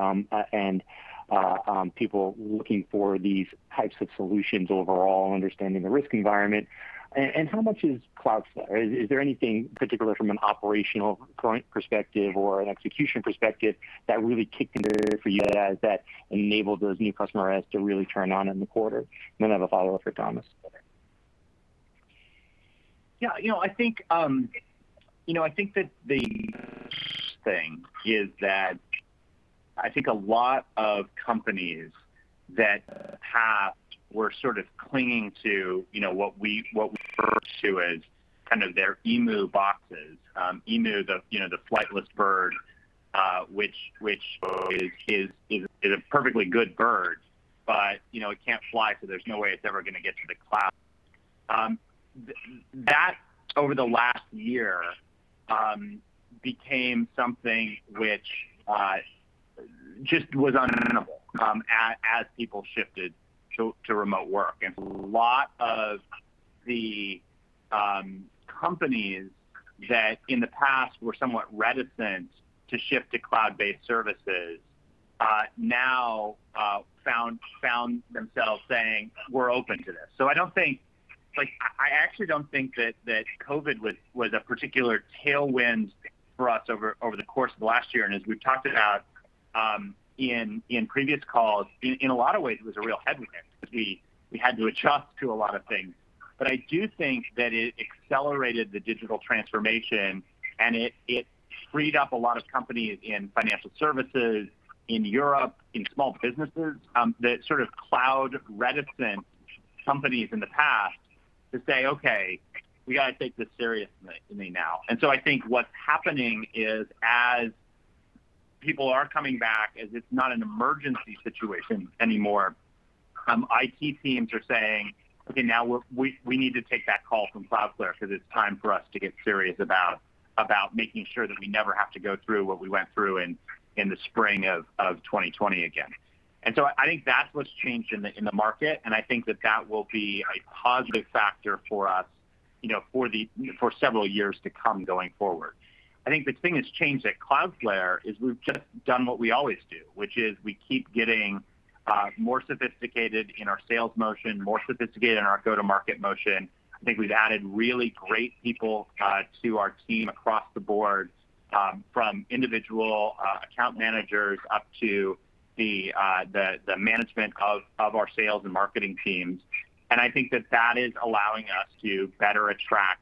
and people looking for these types of solutions overall, understanding the risk environment? How much is Cloudflare? Is there anything particular from an operational current perspective or an execution perspective that really kicked in there for you guys that enabled those new customer adds to really turn on in the quarter? I have a follow-up for Thomas. Yeah. I think that the thing is that I think a lot of companies were clinging to what we refer to as their Emu boxes. Emu, the flightless bird, which is a perfectly good bird, but it can't fly, so there's no way it's ever going to get to the cloud. That, over the last year, became something which just was unavoidable as people shifted to remote work. A lot of the companies that in the past were somewhat reticent to shift to cloud-based services now found themselves saying, "We're open to this." I actually don't think that COVID was a particular tailwind for us over the course of last year. As we've talked about in previous calls, in a lot of ways, it was a real headwind because we had to adjust to a lot of things. I do think that it accelerated the digital transformation, and it freed up a lot of companies in financial services in Europe, in small businesses, the cloud-reticent companies in the past to say, "Okay, we got to take this seriously now." I think what's happening is as people are coming back, as it's not an emergency situation anymore, IT teams are saying, "Okay, now we need to take that call from Cloudflare because it's time for us to get serious about making sure that we never have to go through what we went through in the spring of 2020 again." I think that's what's changed in the market, and I think that that will be a positive factor for us for several years to come going forward. I think the thing that's changed at Cloudflare is we've just done what we always do, which is we keep getting more sophisticated in our sales motion, more sophisticated in our go-to-market motion. I think that that is allowing us to better attract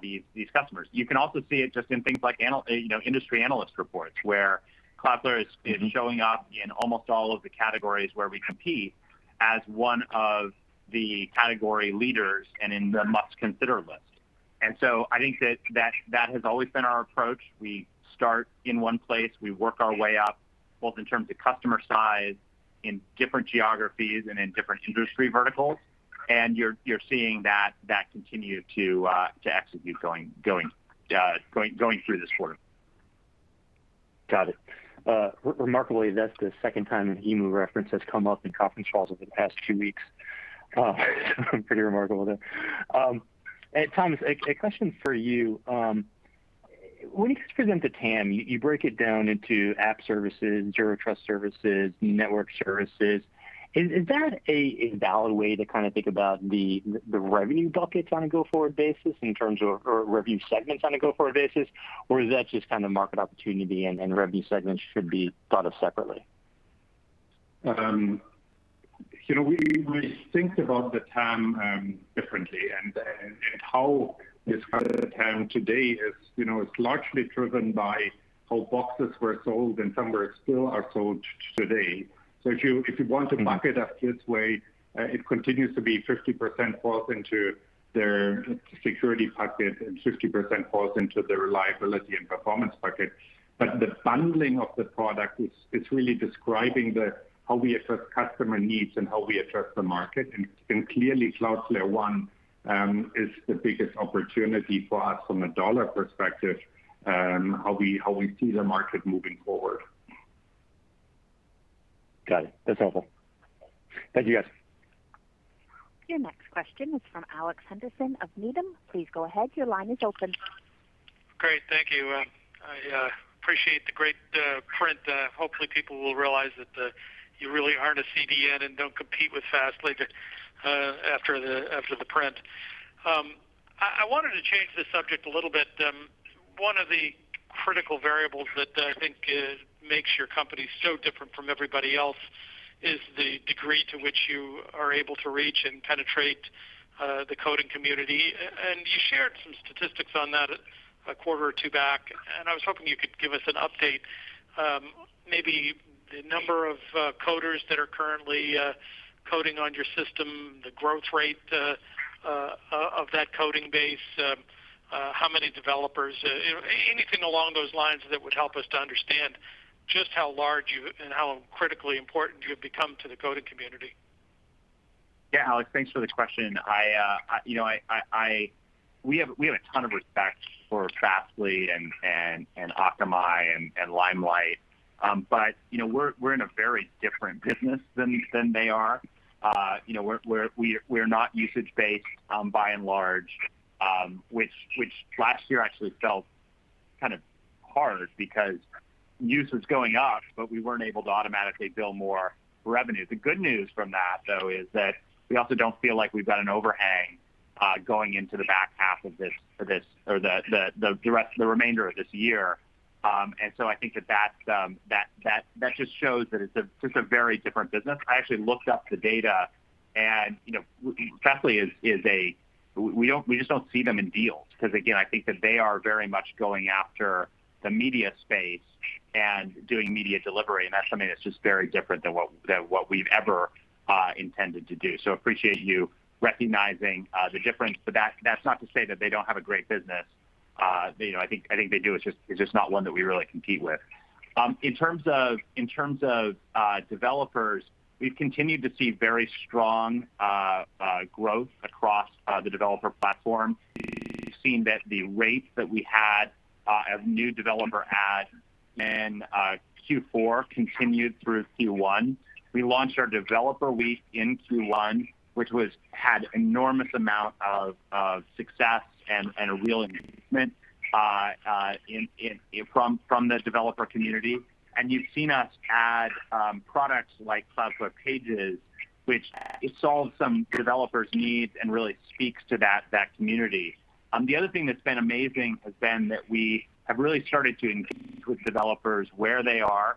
these customers. You can also see it just in things like industry analyst reports, where Cloudflare is showing up in almost all of the categories where we compete as one of the category leaders and in the must consider list. I think that that has always been our approach. We start in one place. We work our way up, both in terms of customer size, in different geographies, and in different industry verticals. You're seeing that continue to execute going through this quarter. Got it. Remarkably, that's the second time an emu reference has come up in conference calls over the past two weeks. Pretty remarkable there. Thomas, a question for you. When you present the TAM, you break it down into app services, Zero Trust services, network services. Is that a valid way to think about the revenue buckets on a go-forward basis in terms of, or revenue segments on a go-forward basis? Is that just market opportunity and revenue segments should be thought of separately? We think about the TAM differently, and how this kind of TAM today is largely driven by how boxes were sold and some are still are sold today. If you want to bucket up this way, it continues to be 50% falls into their security bucket, and 50% falls into the reliability and performance bucket. The bundling of the product is really describing how we address customer needs and how we address the market. Clearly Cloudflare One is the biggest opportunity for us from a dollar perspective, how we see the market moving forward. Got it. That's helpful. Thank you, guys. Your next question is from Alex Henderson of Needham. Please go ahead. Your line is open. Great. Thank you. I appreciate the great print. Hopefully, people will realize that you really aren't a CDN and don't compete with Fastly after the print. I wanted to change the subject a little bit. One of the critical variables that I think makes your company so different from everybody else is the degree to which you are able to reach and penetrate the coding community. You shared some statistics on that a quarter or two back, and I was hoping you could give us an update. Maybe the number of coders that are currently coding on your system, the growth rate of that coding base, how many developers, anything along those lines that would help us to understand just how large and how critically important you have become to the coding community. Yeah, Alex, thanks for the question. We have a ton of respect for Fastly and Akamai and Limelight. We're in a very different business than they are. We're not usage-based by and large, which last year actually felt kind of hard because use was going up, but we weren't able to automatically bill more revenue. The good news from that, though, is that we also don't feel like we've got an overhang going into the back half of the remainder of this year. I think that just shows that it's a very different business. I actually looked up the data, Fastly, we just don't see them in deals because, again, I think that they are very much going after the media space and doing media delivery, and that's something that's just very different than what we've ever intended to do. Appreciate you recognizing the difference. That's not to say that they don't have a great business. I think they do. It's just not one that we really compete with. In terms of developers, we've continued to see very strong growth across the developer platform. We've seen that the rates that we had of new developer adds in Q4 continued through Q1. We launched our Developer Week in Q1, which had enormous amount of success and a real engagement from the developer community. You've seen us add products like Cloudflare Pages, which it solves some developers' needs and really speaks to that community. The other thing that's been amazing has been that we have really started to engage with developers where they are.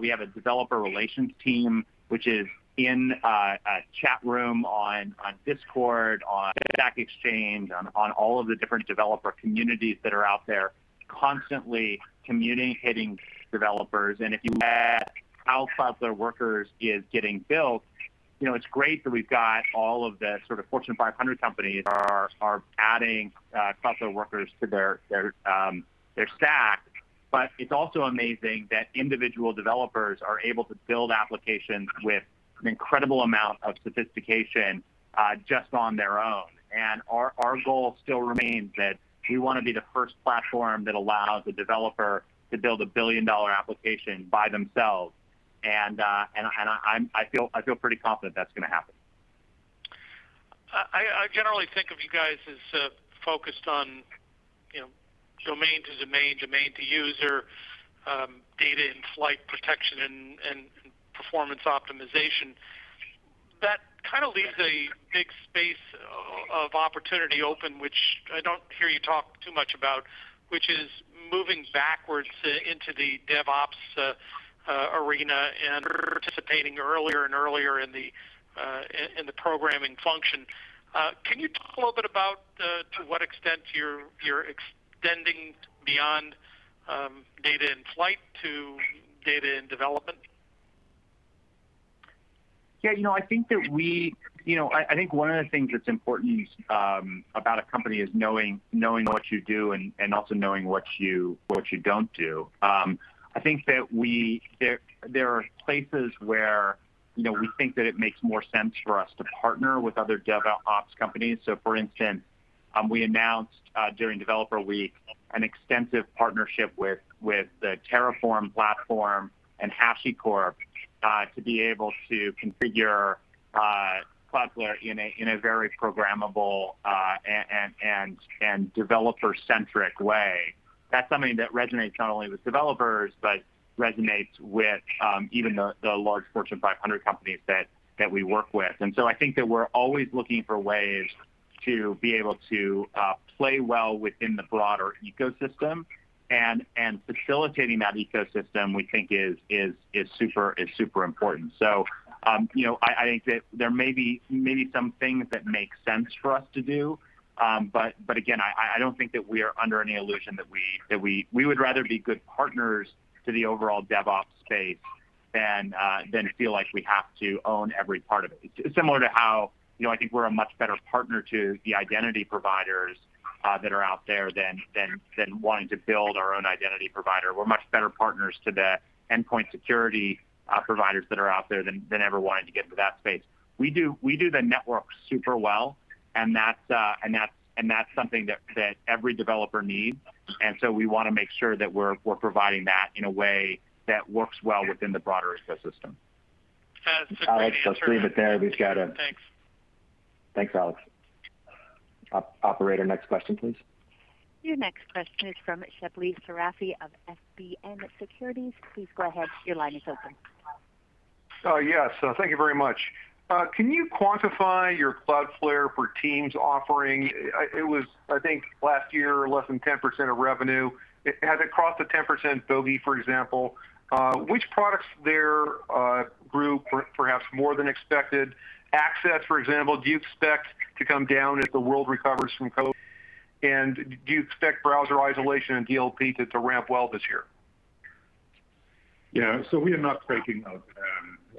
We have a developer relations team, which is in a chat room on Discord, on Stack Exchange, on all of the different developer communities that are out there constantly communicating with developers. If you look at how Cloudflare Workers is getting built, it's great that we've got all of the sort of Fortune 500 companies are adding Cloudflare Workers to their stack. It's also amazing that individual developers are able to build applications with an incredible amount of sophistication just on their own. Our goal still remains that we want to be the first platform that allows a developer to build a billion-dollar application by themselves. I feel pretty confident that's going to happen. I generally think of you guys as focused on domain to domain to user, data-in-flight protection, and performance optimization. That kind of leaves a big space of opportunity open, which I don't hear you talk too much about, which is moving backwards into the DevOps arena and participating earlier and earlier in the programming function. Can you talk a little bit about to what extent you're extending beyond data in flight to data in development? I think one of the things that's important about a company is knowing what you do and also knowing what you don't do. I think that there are places where we think that it makes more sense for us to partner with other DevOps companies. For instance, we announced during Developer Week an extensive partnership with the Terraform platform and HashiCorp to be able to configure Cloudflare in a very programmable and developer-centric way. That's something that resonates not only with developers, but resonates with even the large Fortune 500 companies that we work with. I think that we're always looking for ways to be able to play well within the broader ecosystem, and facilitating that ecosystem, we think is super important. I think that there may be some things that make sense for us to do. Again, I don't think that we are under any illusion. We would rather be good partners to the overall DevOps space than feel like we have to own every part of it. It's similar to how I think we're a much better partner to the identity providers that are out there than wanting to build our own identity provider. We're much better partners to the endpoint security providers that are out there than ever wanting to get into that space. We do the network super well, and that's something that every developer needs. We want to make sure that we're providing that in a way that works well within the broader ecosystem. That's a great answer. Alex, I'll just leave it there. Thanks Thanks, Alex. Operator, next question, please. Your next question is from Shebly Seyrafi of FBN Securities. Please go ahead. Yes. Thank you very much. Can you quantify your Cloudflare for Teams offering? It was, I think, last year, less than 10% of revenue. Has it crossed the 10% bogey, for example? Which products there grew perhaps more than expected? Access, for example, do you expect to come down as the world recovers from COVID? Do you expect Browser Isolation and DLP to ramp well this year? Yeah. We are not breaking out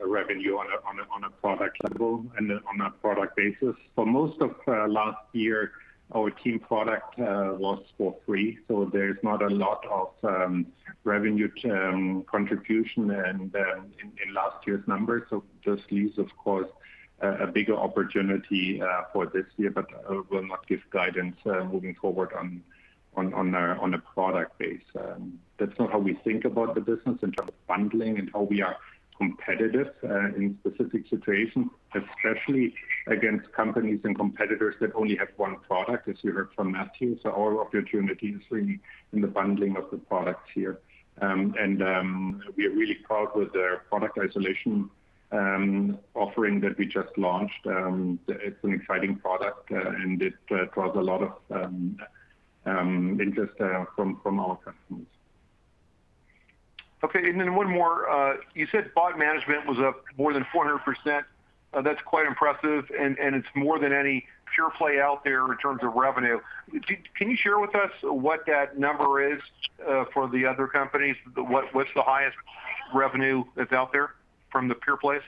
revenue on a product level and on a product basis. For most of last year, our team product was for free. There's not a lot of revenue contribution in last year's numbers. Just leaves, of course, a bigger opportunity for this year, but will not give guidance moving forward on a product basis. That's not how we think about the business in terms of bundling and how we are competitive in specific situations, especially against companies and competitors that only have one product, as you heard from Matthew. Our opportunity is really in the bundling of the products here. We are really proud with the Browser Isolation offering that we just launched. It's an exciting product, and it draws a lot of interest from our customers. Okay. One more. You said Bot Management was up more than 400%. That's quite impressive, and it's more than any pure play out there in terms of revenue. Can you share with us what that number is for the other companies? What's the highest revenue that's out there from the pure plays?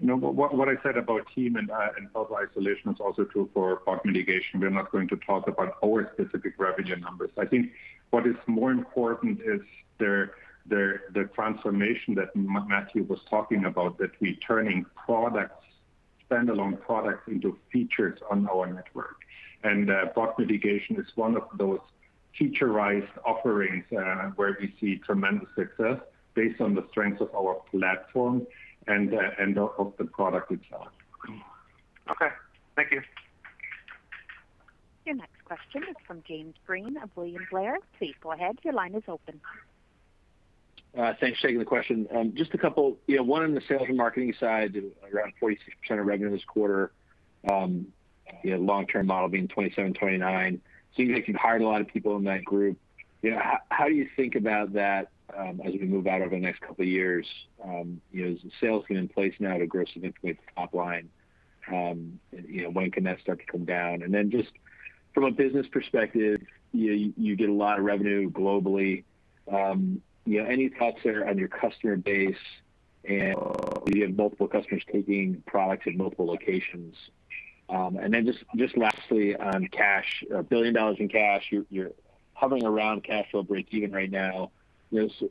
No, what I said about team and product isolation is also true for bot mitigation. We're not going to talk about our specific revenue numbers. I think what is more important is the transformation that Matthew was talking about, that we're turning standalone products into features on our network. Bot mitigation is one of those feature-ized offerings where we see tremendous success based on the strength of our platform and of the product itself. Okay. Thank you. Your next question is from James Breen of William Blair. Please go ahead. Your line is open. Thanks. Taking the question. Just a couple. One on the sales and marketing side, around 46% of revenue this quarter. Long-term model being 27%-29%. Seems like you've hired a lot of people in that group. How do you think about that as we move out over the next couple of years? Is the sales team in place now to aggressively inflate the top line? When can that start to come down? Just from a business perspective, you get a lot of revenue globally. Any thoughts there on your customer base and you have multiple customers taking products in multiple locations? Just lastly on cash. $1 billion in cash. You're hovering around cash flow breakeven right now.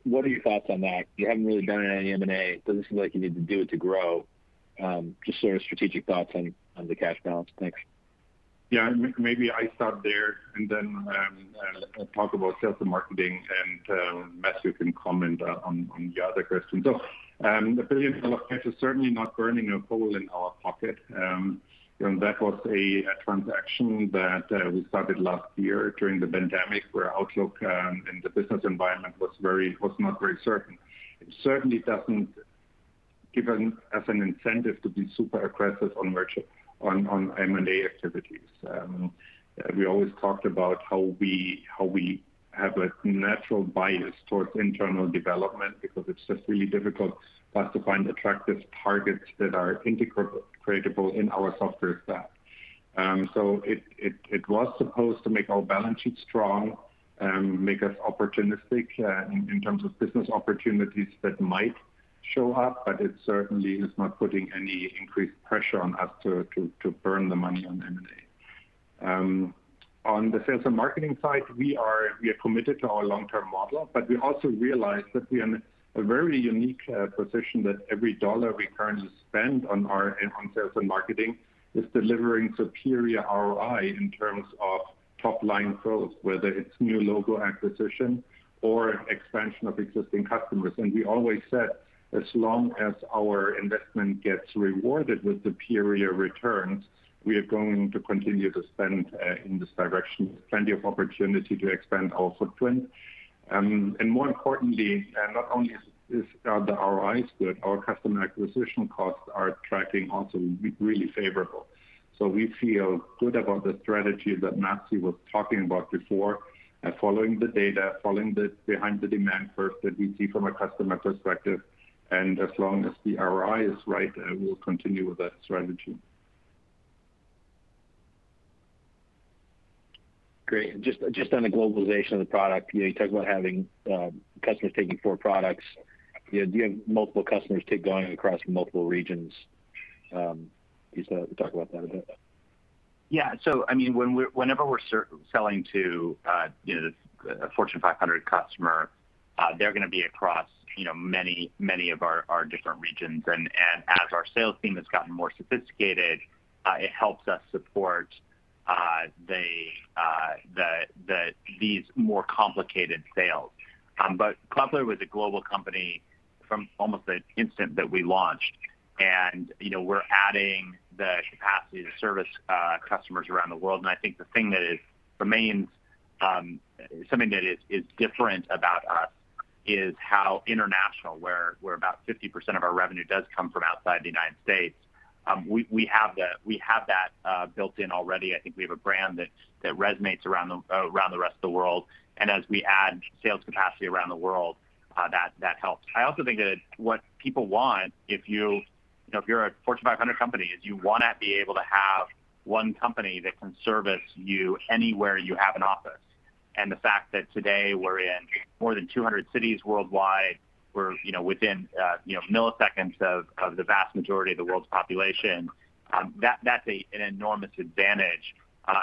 What are your thoughts on that? You haven't really done any M&A. Does it seem like you need to do it to grow? Just sort of strategic thoughts on the cash balance. Thanks. Yeah, maybe I start there and then talk about sales and marketing, and Matthew can comment on the other question. The $1 billion cash is certainly not burning a hole in our pocket. That was a transaction that we started last year during the pandemic where outlook in the business environment was not very certain. It certainly doesn't give us an incentive to be super aggressive on M&A activities. We always talked about how we have a natural bias towards internal development because it's just really difficult for us to find attractive targets that are integratable in our software stack. It was supposed to make our balance sheet strong, make us opportunistic in terms of business opportunities that might show up, but it certainly is not putting any increased pressure on us to burn the money on M&A. On the sales and marketing side, we are committed to our long-term model, but we also realize that we are in a very unique position that every dollar we currently spend on sales and marketing is delivering superior ROI in terms of top-line growth, whether it's new logo acquisition or expansion of existing customers. We always said, as long as our investment gets rewarded with superior returns, we are going to continue to spend in this direction. There's plenty of opportunity to expand our footprint. More importantly, not only is the ROI good, our customer acquisition costs are tracking also really favorable. We feel good about the strategy that Matthew was talking about before. Following the data, following behind the demand first that we see from a customer perspective. As long as the ROI is right, we'll continue with that strategy. Great. Just on the globalization of the product, you talk about having customers taking four products. Do you have multiple customers going across multiple regions? Can you talk about that a bit? Yeah. Whenever we're selling to a Fortune 500 customer, they're going to be across many of our different regions. As our sales team has gotten more sophisticated, it helps us support these more complicated sales. Cloudflare was a global company from almost the instant that we launched. We're adding the capacity to service customers around the world. I think the thing that remains something that is different about us is how international, where about 50% of our revenue does come from outside the United States. We have that built in already. I think we have a brand that resonates around the rest of the world. As we add sales capacity around the world, that helps. I also think that what people want, if you're a Fortune 500 company, is you want to be able to have one company that can service you anywhere you have an office. The fact that today we're in more than 200 cities worldwide. We're within milliseconds of the vast majority of the world's population. That's an enormous advantage,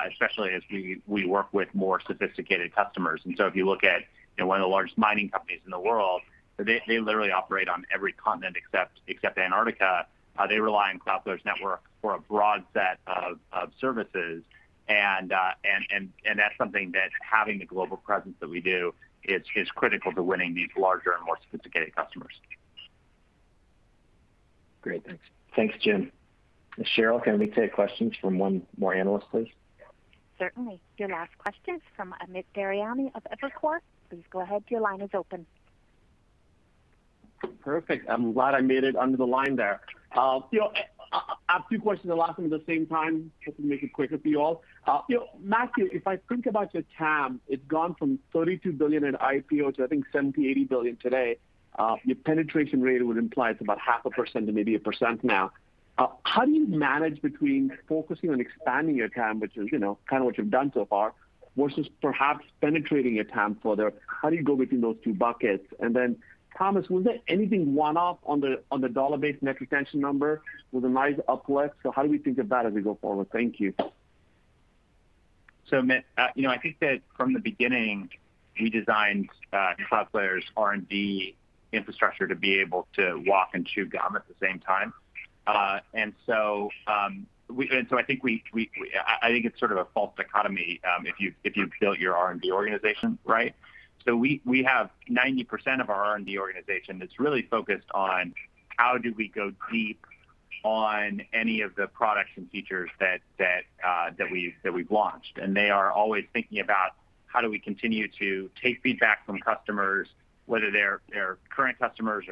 especially as we work with more sophisticated customers. If you look at one of the largest mining companies in the world, they literally operate on every continent except Antarctica. They rely on Cloudflare's network for a broad set of services. That's something that having the global presence that we do, it's critical to winning these larger and more sophisticated customers. Great. Thanks, Jim. Cheryl, can we take questions from one more analyst, please? Certainly. Your last question is from Amit Daryanani of Evercore. Please go ahead. Your line is open. Perfect. I'm glad I made it under the line there. I have two questions, the last one at the same time, just to make it quicker for you all. Matthew, if I think about your TAM, it's gone from $32 billion at IPO to, I think, $70 billion, $80 billion today. Your penetration rate would imply it's about 0.5% to maybe 1% now. How do you manage between focusing on expanding what you have done so far versus perhaps penetrating your time for that. Thomas, was there anything one-off on the dollar-based net retention number with a nice uplift? How do we think of that as we go forward? Thank you. Amit, I think that from the beginning, we designed Cloudflare's R&D infrastructure to be able to walk and chew gum at the same time. I think it's sort of a false dichotomy, if you build your R&D organization, right? We have 90% of our R&D organization that's really focused on how do we go deep on any of the products and features that we've launched. They are always thinking about how do we continue to take feedback from customers, whether they're current customers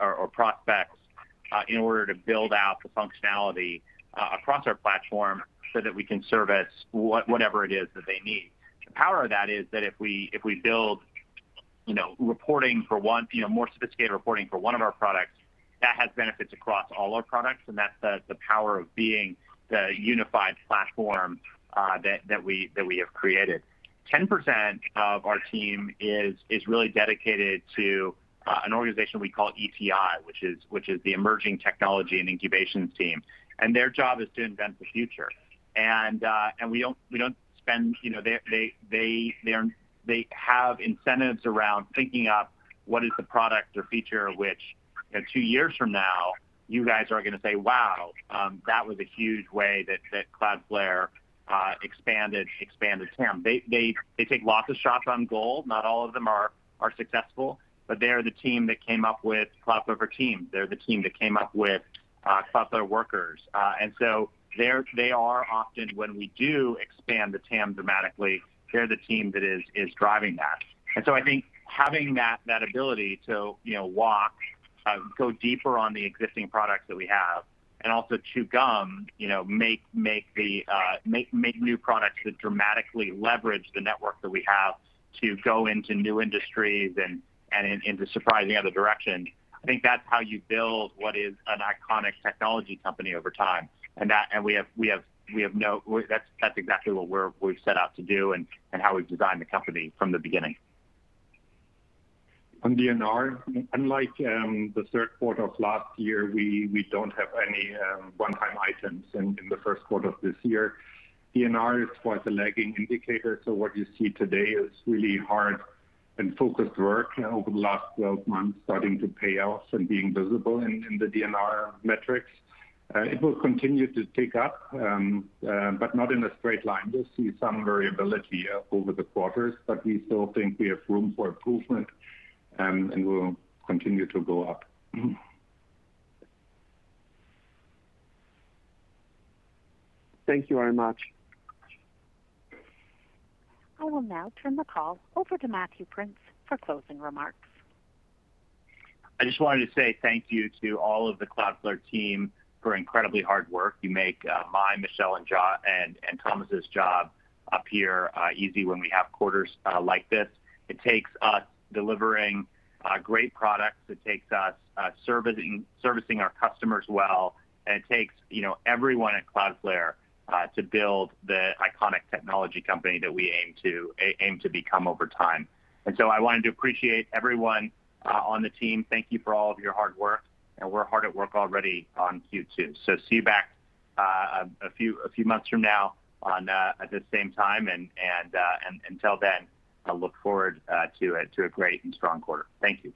or prospects, in order to build out the functionality across our platform so that we can service whatever it is that they need. The power of that is that if we build more sophisticated reporting for one of our products, that has benefits across all our products, and that's the power of being the unified platform that we have created. 10% of our team is really dedicated to an organization we call ETI, which is the emerging technology and incubation team. Their job is to invent the future. They have incentives around thinking up what is the product or feature which, two years from now, you guys are going to say, "Wow, that was a huge way that Cloudflare expanded TAM." They take lots of shots on goal. Not all of them are successful, but they're the team that came up with Cloudflare for Teams. They're the team that came up with Cloudflare Workers. They are often, when we do expand the TAM dramatically, they're the team that is driving that. I think having that ability to walk, go deeper on the existing products that we have, and also chew gum, make new products that dramatically leverage the network that we have to go into new industries and into surprising other directions. I think that's how you build what is an iconic technology company over time. That's exactly what we've set out to do and how we've designed the company from the beginning. DNR, unlike the Q3 of last year, we don't have any one-time items in the Q1 of this year. DNR is quite a lagging indicator, so what you see today is really hard and focused work over the last 12 months starting to pay off and being visible in the DNR metrics. It will continue to tick up, but not in a straight line. You'll see some variability over the quarters, but we still think we have room for improvement, and it will continue to go up. Thank you very much. I will now turn the call over to Matthew Prince for closing remarks. I just wanted to say thank you to all of the Cloudflare team for incredibly hard work. You make my, Michelle, and Thomas's job up here easy when we have quarters like this. It takes us delivering great products, it takes us servicing our customers well, and it takes everyone at Cloudflare to build the iconic technology company that we aim to become over time. I wanted to appreciate everyone on the team. Thank you for all of your hard work. We're hard at work already on Q2. See you back a few months from now at this same time, and until then, I look forward to a great and strong quarter. Thank you.